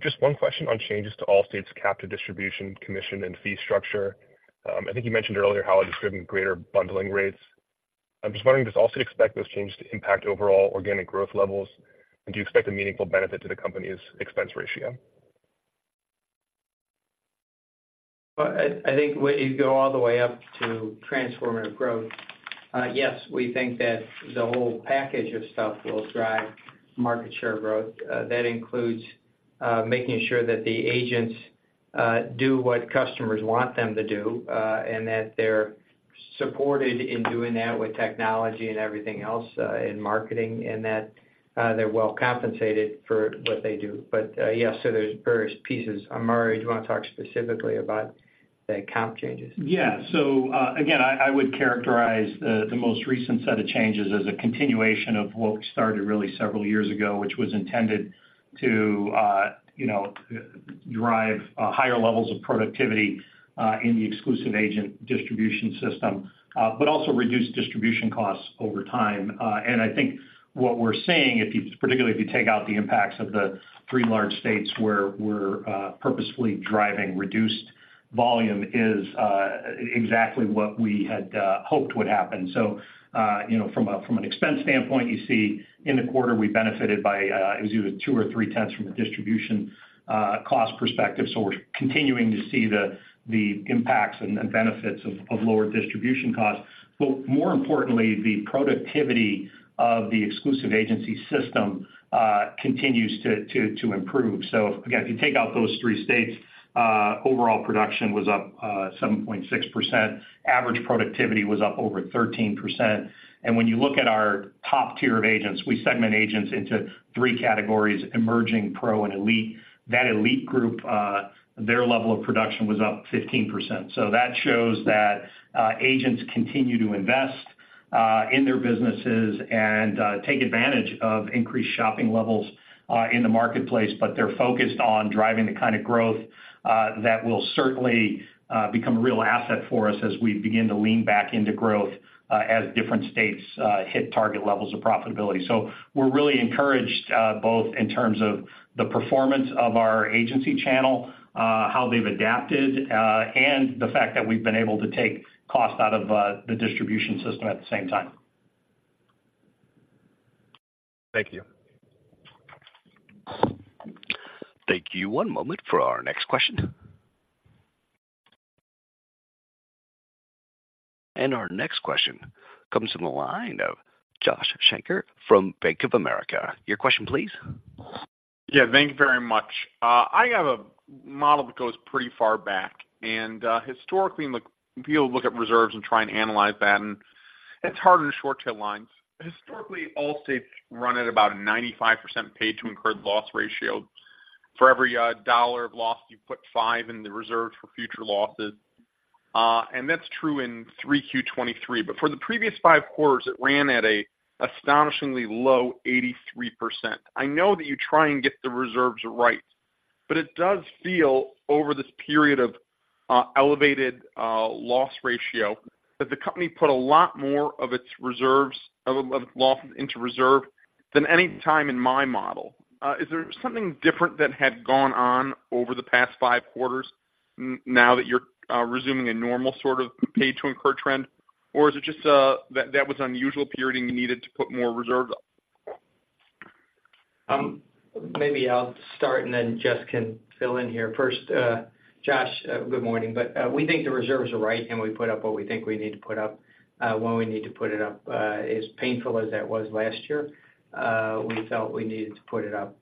Just one question on changes to Allstate's captive distribution commission and fee structure. I think you mentioned earlier how it has driven greater bundling rates. I'm just wondering, does Allstate expect those changes to impact overall organic growth levels? And do you expect a meaningful benefit to the company's expense ratio? Well, I think when you go all the way up to Transformative Growth, yes, we think that the whole package of stuff will drive market share growth. That includes making sure that the agents do what customers want them to do, and that they're supported in doing that with technology and everything else, in marketing, and that they're well compensated for what they do. But, yes, so there's various pieces. Mario, do you want to talk specifically about the comp changes? Yeah. So, again, I, I would characterize the most recent set of changes as a continuation of what we started really several years ago, which was intended to, you know, drive higher levels of productivity in the exclusive agent distribution system, but also reduce distribution costs over time. And I think what we're seeing, if you, particularly if you take out the impacts of the three large states where we're purposefully driving reduced volume, is exactly what we had hoped would happen. So, you know, from a, from an expense standpoint, you see in the quarter, we benefited by it was either two or three tenths from a distribution cost perspective. So we're continuing to see the impacts and benefits of lower distribution costs. But more importantly, the productivity of the exclusive agency system continues to improve. So again, if you take out those three states, overall production was up 7.6%. Average productivity was up over 13%. And when you look at our top tier of agents, we segment agents into three categories: emerging, pro, and elite. That elite group, their level of production was up 15%. So that shows that agents continue to invest in their businesses and take advantage of increased shopping levels in the marketplace, but they're focused on driving the kind of growth that will certainly become a real asset for us as we begin to lean back into growth as different states hit target levels of profitability. So we're really encouraged, both in terms of the performance of our agency channel, how they've adapted, and the fact that we've been able to take cost out of the distribution system at the same time. Thank you. Thank you. One moment for our next question. Our next question comes from the line of Josh Shanker from Bank of America. Your question, please. Yeah, thank you very much. I have a model that goes pretty far back, and historically, when people look at reserves and try and analyze that, and it's hard in short tail lines. Historically, Allstate's run at about a 95% paid-to-incurred loss ratio. For every dollar of loss, you put five in the reserve for future losses. And that's true in 3Q/2023. But for the previous five quarters, it ran at an astonishingly low 83%. I know that you try and get the reserves right, but it does feel over this period of elevated loss ratio, that the company put a lot more of its reserves, of losses into reserve than any time in my model. Is there something different that had gone on over the past five quarters now that you're resuming a normal sort of paid-to-incurred trend? Or is it just that that was an unusual period, and you needed to put more reserves up? Maybe I'll start, and then Jess can fill in here. First, Josh, good morning. But, we think the reserves are right, and we put up what we think we need to put up, when we need to put it up. As painful as that was last year, we felt we needed to put it up.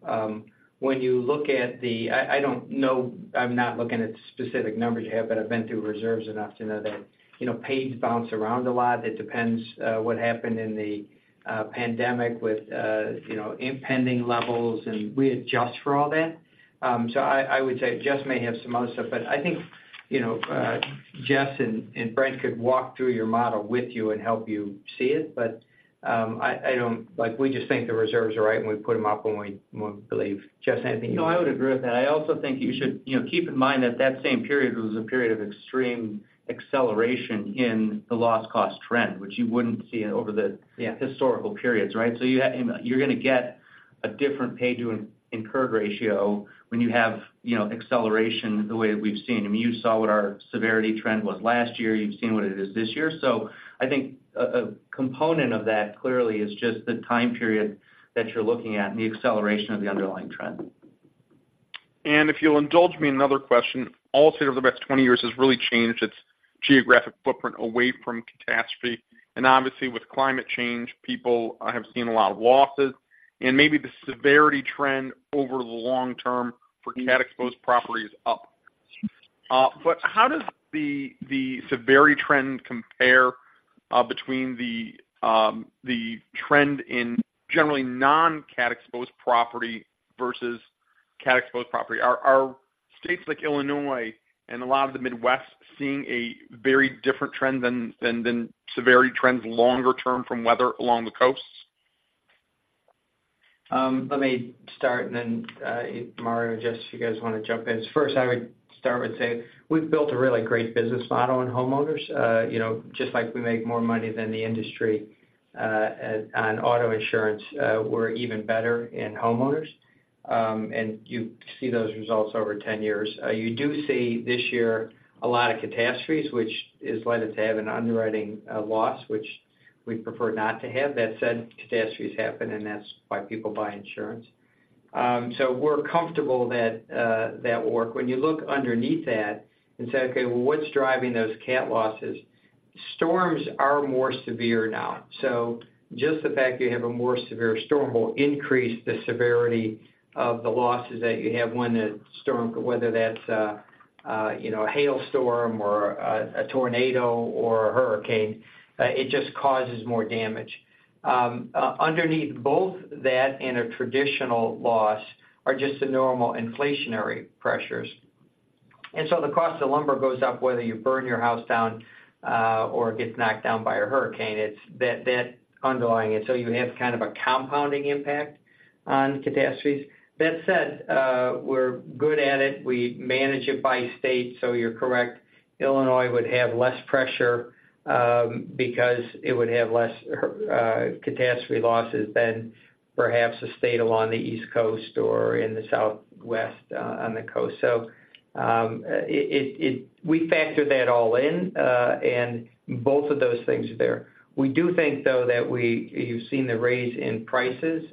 When you look at the... I don't know, I'm not looking at specific numbers you have, but I've been through reserves enough to know that, you know, paids bounce around a lot. It depends, what happened in the, pandemic with, you know, pending levels, and we adjust for all that. So, I would say, Jess may have some more stuff, but I think, you know, Jess and Brent could walk through your model with you and help you see it. But, I don't like, we just think the reserves are right, and we put them up when we believe. Jess, anything you want? No, I would agree with that. I also think you should, you know, keep in mind that that same period was a period of extreme acceleration in the loss cost trend, which you wouldn't see over the- Yeah Historical periods, right? So you're going to get a different paid-to-incurred ratio when you have, you know, acceleration the way that we've seen. I mean, you saw what our severity trend was last year. You've seen what it is this year. So I think a component of that clearly is just the time period that you're looking at and the acceleration of the underlying trend. If you'll indulge me another question. Allstate, over the past 20 years, has really changed its geographic footprint away from catastrophe, and obviously, with climate change, people have seen a lot of losses. Maybe the severity trend over the long term for cat-exposed property is up. But how does the severity trend compare between the trend in generally non-cat exposed property versus cat-exposed property? Are states like Illinois and a lot of the Midwest seeing a very different trend than severity trends longer term from weather along the coasts? Let me start, and then, Mario, Jess, if you guys want to jump in. First, I would start with saying we've built a really great business model in homeowners. You know, just like we make more money than the industry, on auto insurance, we're even better in homeowners. And you see those results over 10 years. You do see this year a lot of catastrophes, which has led us to have an underwriting loss, which we'd prefer not to have. That said, catastrophes happen, and that's why people buy insurance. So we're comfortable that that will work. When you look underneath that and say, "Okay, well, what's driving those cat losses?" Storms are more severe now, so just the fact you have a more severe storm will increase the severity of the losses that you have when a storm, whether that's a you know a hailstorm or a tornado or a hurricane, it just causes more damage. Underneath both that and a traditional loss are just the normal inflationary pressures. And so the cost of lumber goes up, whether you burn your house down or it gets knocked down by a hurricane, it's that that underlying it. So you have kind of a compounding impact on catastrophes. That said, we're good at it. We manage it by state, so you're correct. Illinois would have less pressure because it would have less catastrophe losses than perhaps a state along the East Coast or in the Southwest on the coast. So it we factor that all in and both of those things are there. We do think, though, that we you've seen the raise in prices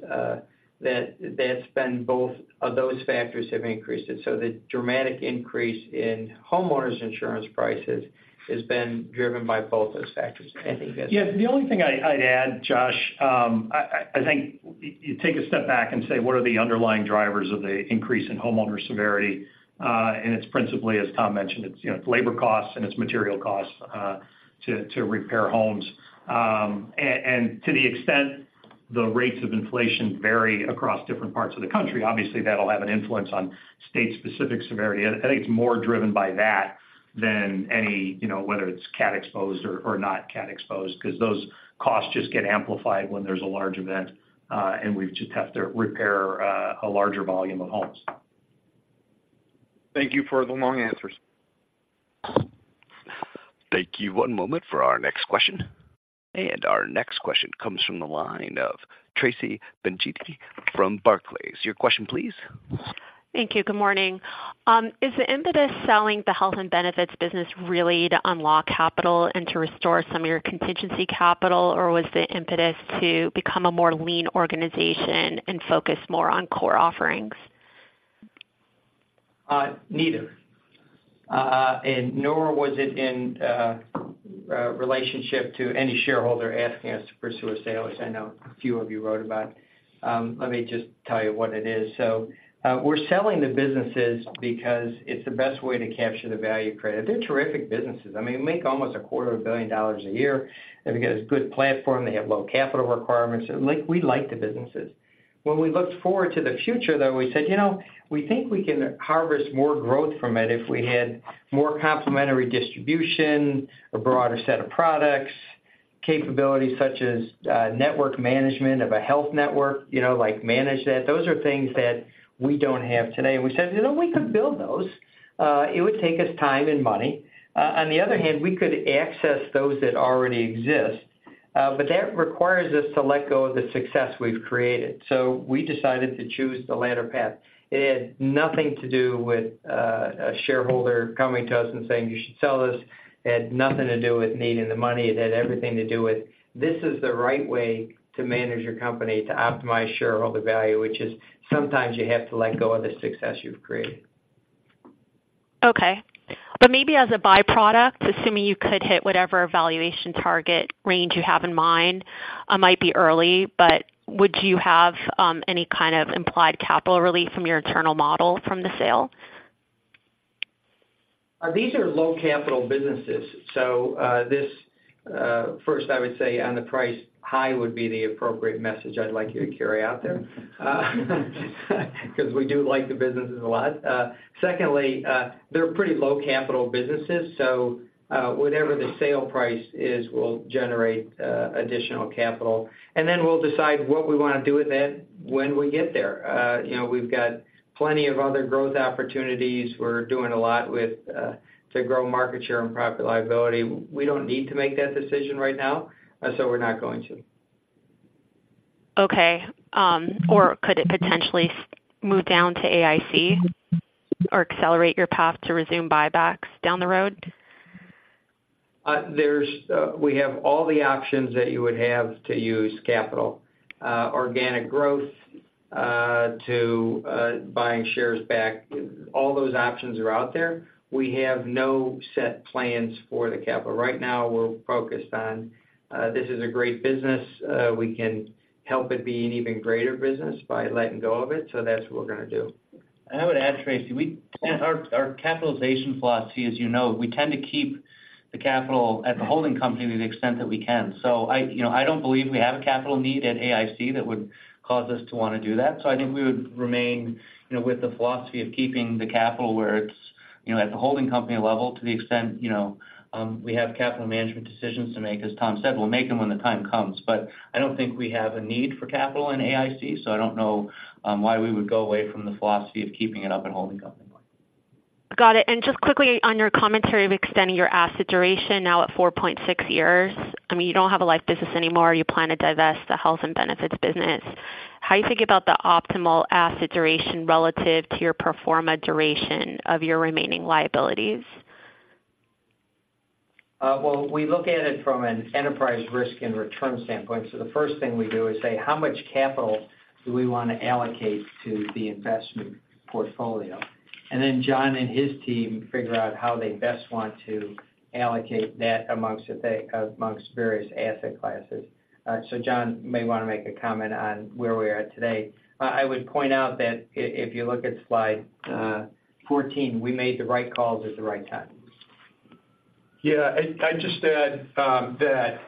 that that's been both of those factors have increased it. So the dramatic increase in homeowners insurance prices has been driven by both those factors. Anything you guys? Yeah, the only thing I'd add, Josh, I think you take a step back and say, what are the underlying drivers of the increase in homeowner severity? And it's principally, as Tom mentioned, you know, it's labor costs, and it's material costs to repair homes. And to the extent the rates of inflation vary across different parts of the country, obviously, that'll have an influence on state-specific severity. I think it's more driven by that than any, you know, whether it's cat exposed or not cat exposed, because those costs just get amplified when there's a large event, and we just have to repair a larger volume of homes. Thank you for the long answers. Thank you. One moment for our next question. And our next question comes from the line of Tracy Benguigui from Barclays. Your question, please. Thank you. Good morning. Is the impetus selling the Health and Benefits business really to unlock capital and to restore some of your contingency capital? Or was the impetus to become a more lean organization and focus more on core offerings? Neither. Nor was it in relationship to any shareholder asking us to pursue a sale, as I know a few of you wrote about. Let me just tell you what it is. So, we're selling the businesses because it's the best way to capture the value created. They're terrific businesses. I mean, make almost $250 million a year. They've got a good platform. They have low capital requirements. Like, we like the businesses. When we looked forward to the future, though, we said: You know, we think we can harvest more growth from it if we had more complementary distribution, a broader set of products, capabilities such as network management of a health network, you know, like, manage that. Those are things that we don't have today. And we said, "You know, we could build those." It would take us time and money. On the other hand, we could access those that already exist, but that requires us to let go of the success we've created. So we decided to choose the latter path. It had nothing to do with a shareholder coming to us and saying, "You should sell this." It had nothing to do with needing the money. It had everything to do with this is the right way to manage your company, to optimize shareholder value, which is sometimes you have to let go of the success you've created. Okay. But maybe as a byproduct, assuming you could hit whatever valuation target range you have in mind, might be early, but would you have any kind of implied capital relief from your internal model from the sale? These are low capital businesses, so first, I would say on the price, high would be the appropriate message I'd like you to carry out there. Because we do like the businesses a lot. Secondly, they're pretty low capital businesses, so whatever the sale price is, will generate additional capital, and then we'll decide what we want to do with it when we get there. You know, we've got plenty of other growth opportunities. We're doing a lot with to grow market share and Property-Liability. We don't need to make that decision right now, so we're not going to. Okay. Or could it potentially move down to AIC or accelerate your path to resume buybacks down the road? There's. We have all the options that you would have to use capital, organic growth, to buying shares back. All those options are out there. We have no set plans for the capital. Right now, we're focused on. This is a great business. We can help it be an even greater business by letting go of it, so that's what we're going to do. I would add, Tracy, our capitalization philosophy, as you know, we tend to keep the capital at the holding company to the extent that we can. So, you know, I don't believe we have a capital need at AIC that would cause us to want to do that. So I think we would remain, you know, with the philosophy of keeping the capital where it's, you know, at the holding company level, to the extent, you know, we have capital management decisions to make. As Tom said, we'll make them when the time comes, but I don't think we have a need for capital in AIC, so I don't know why we would go away from the philosophy of keeping it up in holding company. Got it. Just quickly on your commentary of extending your asset duration, now at 4.6 years, I mean, you don't have a life business anymore. You plan to divest the Health and Benefits business. How do you think about the optimal asset duration relative to your pro forma duration of your remaining liabilities? Well, we look at it from an enterprise risk and return standpoint. So the first thing we do is say: How much capital do we want to allocate to the investment portfolio? And then John and his team figure out how they best want to allocate that amongst various asset classes. So John may want to make a comment on where we are today. I would point out that if you look at slide 14, we made the right calls at the right time. Yeah, I'd, I'd just add that,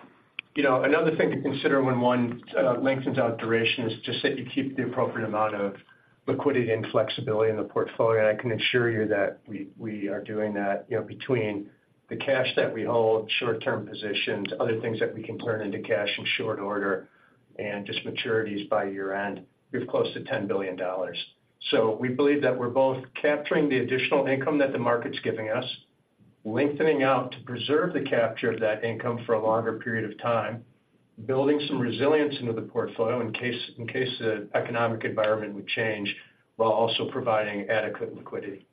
you know, another thing to consider when one lengthens out duration is just that you keep the appropriate amount of liquidity and flexibility in the portfolio, and I can assure you that we, we are doing that. You know, between the cash that we hold, short-term positions, other things that we can turn into cash in short order, and just maturities by year-end, we have close to $10 billion. So we believe that we're both capturing the additional income that the market's giving us, lengthening out to preserve the capture of that income for a longer period of time, building some resilience into the portfolio in case, in case the economic environment would change, while also providing adequate liquidity.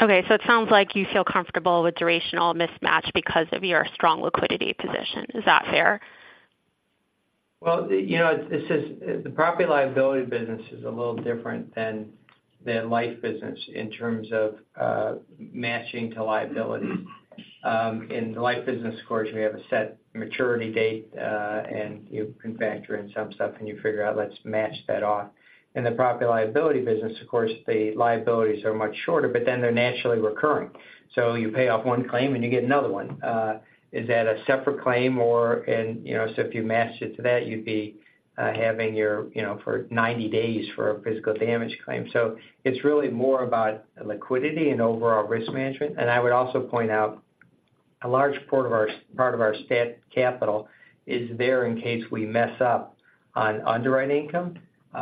Okay, so it sounds like you feel comfortable with durational mismatch because of your strong liquidity position. Is that fair? Well, you know, this is the Property-Liability business is a little different than the life business in terms of matching to liability. In the life business, of course, we have a set maturity date, and you can factor in some stuff, and you figure out, let's match that off. In the Property-Liability business, of course, the liabilities are much shorter, but then they're naturally recurring. So you pay off one claim, and you get another one. Is that a separate claim or? And, you know, so if you match it to that, you'd be having your, you know, for 90 days for a physical damage claim. So it's really more about liquidity and overall risk management. I would also point out, a large part of our, part of our stat capital is there in case we mess up on underwriting income,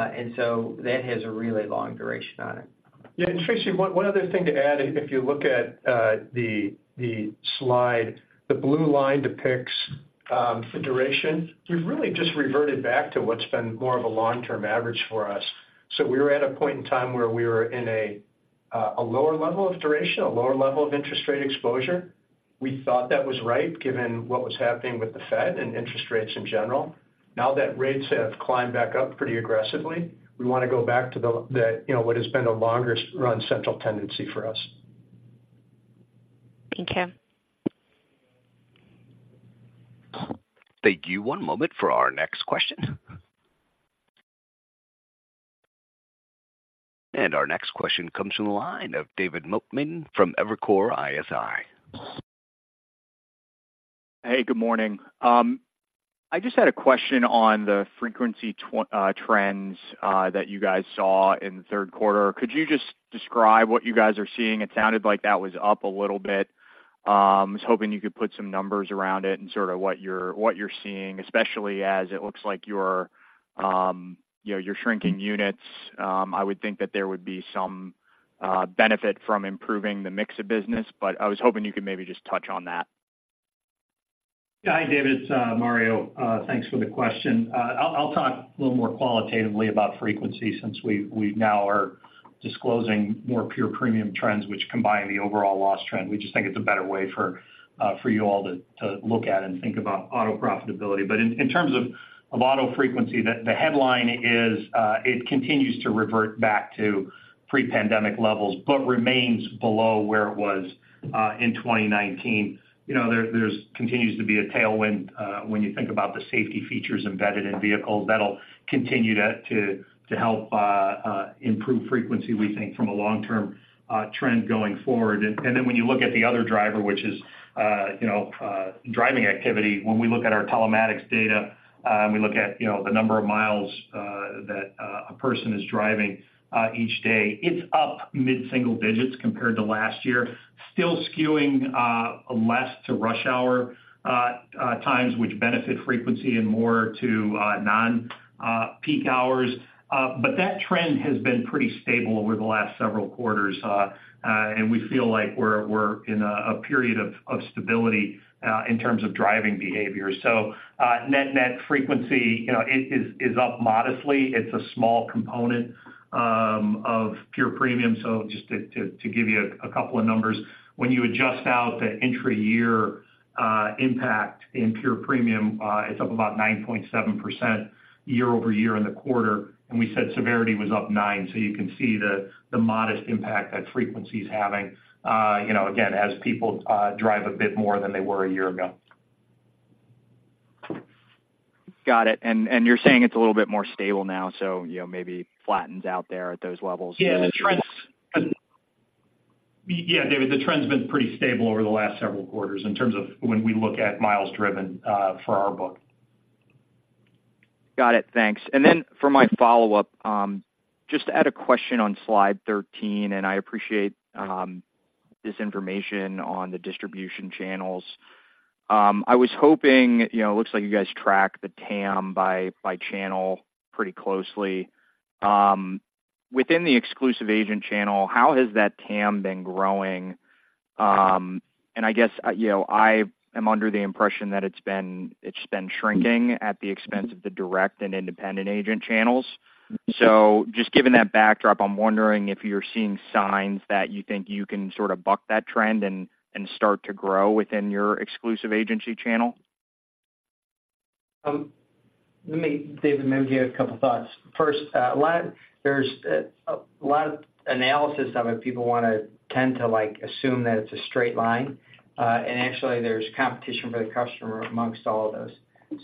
and so that has a really long duration on it. Yeah, and Tracy, one other thing to add, if you look at the slide, the blue line depicts the duration. We've really just reverted back to what's been more of a long-term average for us. So we were at a point in time where we were in a lower level of duration, a lower level of interest rate exposure. We thought that was right, given what was happening with the Fed and interest rates in general. Now that rates have climbed back up pretty aggressively, we want to go back to the, you know, what has been a longer run central tendency for us. Thank you. Thank you. One moment for our next question. Our next question comes from the line of David Motemaden from Evercore ISI. Hey, good morning. I just had a question on the frequency trends that you guys saw in the third quarter. Could you just describe what you guys are seeing? It sounded like that was up a little bit. I was hoping you could put some numbers around it and sort of what you're, what you're seeing, especially as it looks like you're, you know, you're shrinking units. I would think that there would be some benefit from improving the mix of business, but I was hoping you could maybe just touch on that. Yeah. Hi, David, it's Mario. Thanks for the question. I'll talk a little more qualitatively about frequency since we now are disclosing more pure premium trends, which combine the overall loss trend. We just think it's a better way for you all to look at and think about auto profitability. But in terms of auto frequency, the headline is it continues to revert back to pre-pandemic levels, but remains below where it was in 2019. You know, there continues to be a tailwind when you think about the safety features embedded in vehicles, that'll continue to help improve frequency, we think, from a long-term trend going forward. And then when you look at the other driver, which is, you know, driving activity, when we look at our telematics data, and we look at, you know, the number of miles that a person is driving each day, it's up mid-single digits compared to last year. Still skewing less to rush hour times, which benefit frequency and more to non-peak hours. But that trend has been pretty stable over the last several quarters. And we feel like we're in a period of stability in terms of driving behavior. So net frequency, you know, it is up modestly. It's a small component of pure premium. So just to give you a couple of numbers, when you adjust out the intra-year impact in pure premium, it's up about 9.7% year-over-year in the quarter, and we said severity was up 9%. So you can see the modest impact that frequency is having, you know, again, as people drive a bit more than they were a year ago. Got it. And you're saying it's a little bit more stable now, so, you know, maybe flattens out there at those levels? Yeah, the trend's- And- Yeah, David, the trend's been pretty stable over the last several quarters in terms of when we look at miles driven, for our book. Got it. Thanks. And then for my follow-up, just to add a question on slide 13, and I appreciate this information on the distribution channels. I was hoping, you know, it looks like you guys track the TAM by, by channel pretty closely. Within the exclusive agent channel, how has that TAM been growing? And I guess, you know, I am under the impression that it's been—it's been shrinking at the expense of the direct and independent agent channels. So just given that backdrop, I'm wondering if you're seeing signs that you think you can sort of buck that trend and, and start to grow within your exclusive agency channel. Let me, David, maybe give you a couple thoughts. First, a lot, there's a lot of analysis of it. People want to tend to, like, assume that it's a straight line, and actually there's competition for the customer amongst all of us.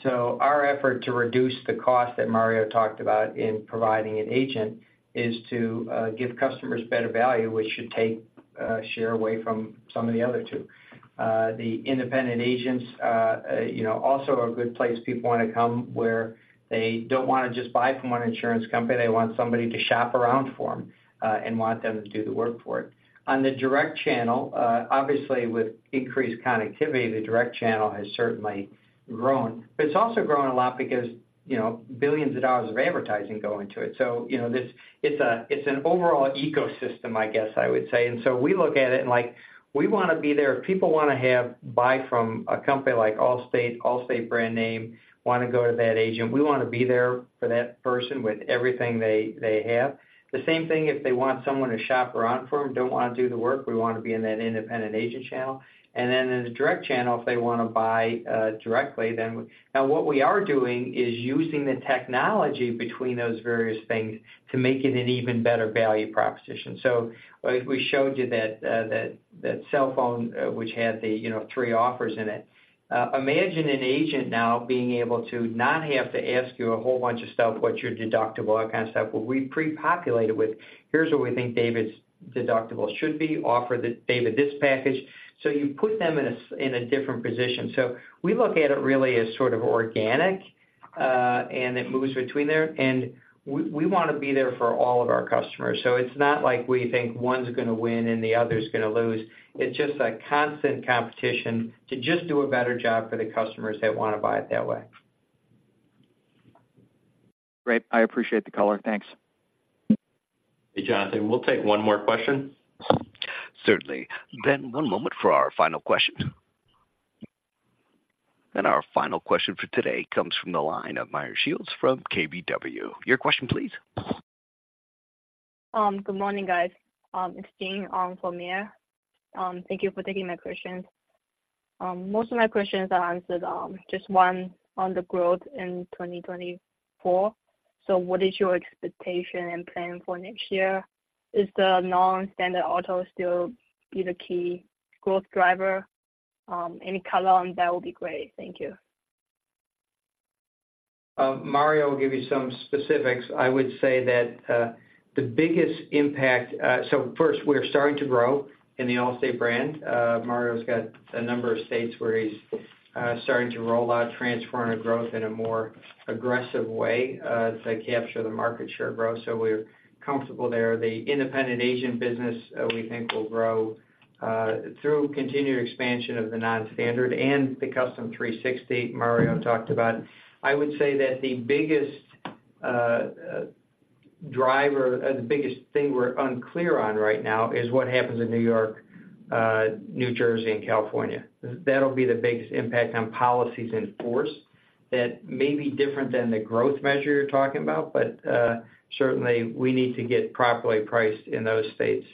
So our effort to reduce the cost that Mario talked about in providing an agent is to give customers better value, which should take share away from some of the other two. The independent agents, you know, also are a good place people want to come, where they don't want to just buy from one insurance company, they want somebody to shop around for them, and want them to do the work for it. On the direct channel, obviously, with increased connectivity, the direct channel has certainly grown, but it's also grown a lot because, you know, billions of dollars of advertising go into it. So, you know, this, it's an overall ecosystem, I guess I would say. And so we look at it and, like, we want to be there. If people want to have, buy from a company like Allstate, Allstate brand name, want to go to that agent, we want to be there for that person with everything they have. The same thing if they want someone to shop around for them, don't want to do the work, we want to be in that independent agent channel. And then in the direct channel, if they want to buy directly, then. Now, what we are doing is using the technology between those various things to make it an even better value proposition. So we, we showed you that, that cell phone, which had the, you know, three offers in it. Imagine an agent now being able to not have to ask you a whole bunch of stuff, what's your deductible, that kind of stuff, where we pre-populate it with, "Here's what we think David's deductible should be. Offer the David this package." So you put them in a different position. So we look at it really as sort of organic, and it moves between there, and we, we want to be there for all of our customers. So it's not like we think one's going to win and the other's going to lose. It's just a constant competition to just do a better job for the customers that want to buy it that way. Great. I appreciate the color. Thanks. Hey, Jonathan, we'll take one more question. Certainly. One moment for our final question. Our final question for today comes from the line of Meyer Shields from KBW. Your question, please. Good morning, guys. It's Jian from Meyer. Thank you for taking my questions. Most of my questions are answered, just one on the growth in 2024. What is your expectation and plan for next year? Is the non-standard auto still be the key growth driver? Any color on that will be great. Thank you. Mario will give you some specifics. I would say that the biggest impact. So first, we're starting to grow in the Allstate brand. Mario's got a number of states where he's starting to roll out Transformative Growth in a more aggressive way to capture the market share growth. So we're comfortable there. The independent agent business we think will grow through continued expansion of the non-standard and the Custom 360 Mario talked about. I would say that the biggest driver, the biggest thing we're unclear on right now is what happens in New York, New Jersey, and California. That'll be the biggest impact on policies in force. That may be different than the growth measure you're talking about, but, certainly we need to get properly priced in those states,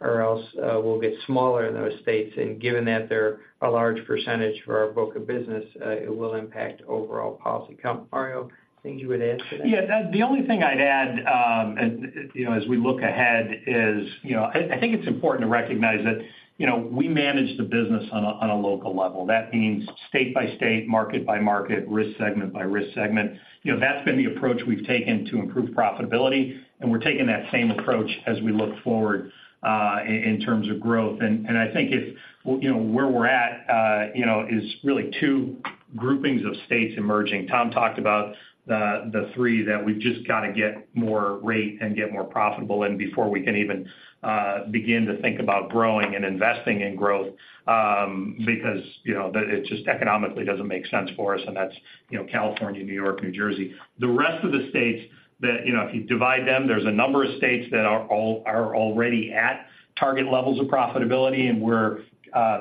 or else, we'll get smaller in those states, and given that they're a large percentage for our book of business, it will impact overall policy. Mario, things you would add to that? Yeah, the only thing I'd add, and, you know, as we look ahead is, you know, I think it's important to recognize that, you know, we manage the business on a local level. That means state by state, market by market, risk segment by risk segment. You know, that's been the approach we've taken to improve profitability, and we're taking that same approach as we look forward, in terms of growth. And I think if, you know, where we're at, you know, is really two groupings of states emerging. Tom talked about the three that we've just got to get more rate and get more profitable in before we can even begin to think about growing and investing in growth, because, you know, the. It just economically doesn't make sense for us, and that's, you know, California, New York, New Jersey. The rest of the states that, you know, if you divide them, there's a number of states that are already at target levels of profitability, and we're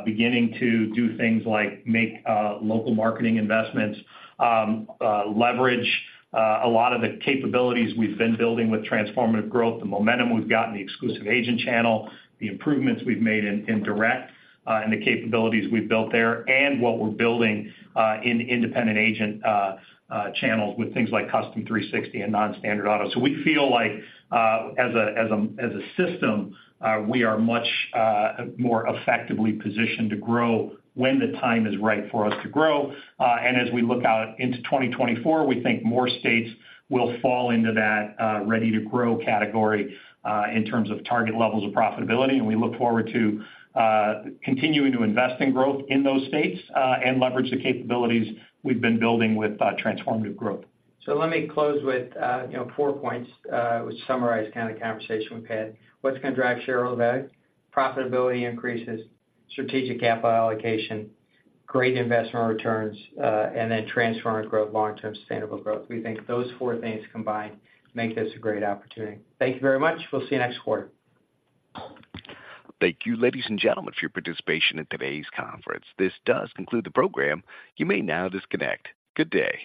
beginning to do things like make local marketing investments, leverage a lot of the capabilities we've been building with Transformative Growth, the momentum we've got in the exclusive agent channel, the improvements we've made in direct, and the capabilities we've built there, and what we're building in independent agent channels with things like Custom 360 and non-standard auto. So we feel like as a system we are much more effectively positioned to grow when the time is right for us to grow. As we look out into 2024, we think more states will fall into that ready to grow category in terms of target levels of profitability, and we look forward to continuing to invest in growth in those states and leverage the capabilities we've been building with Transformative Growth. So let me close with, you know, four points, which summarize the kind of conversation we've had. What's going to drive share over value? Profitability increases, strategic capital allocation, great investment returns, and then Transformative Growth, long-term sustainable growth. We think those four things combined make this a great opportunity. Thank you very much. We'll see you next quarter. Thank you, ladies and gentlemen, for your participation in today's conference. This does conclude the program. You may now disconnect. Good day!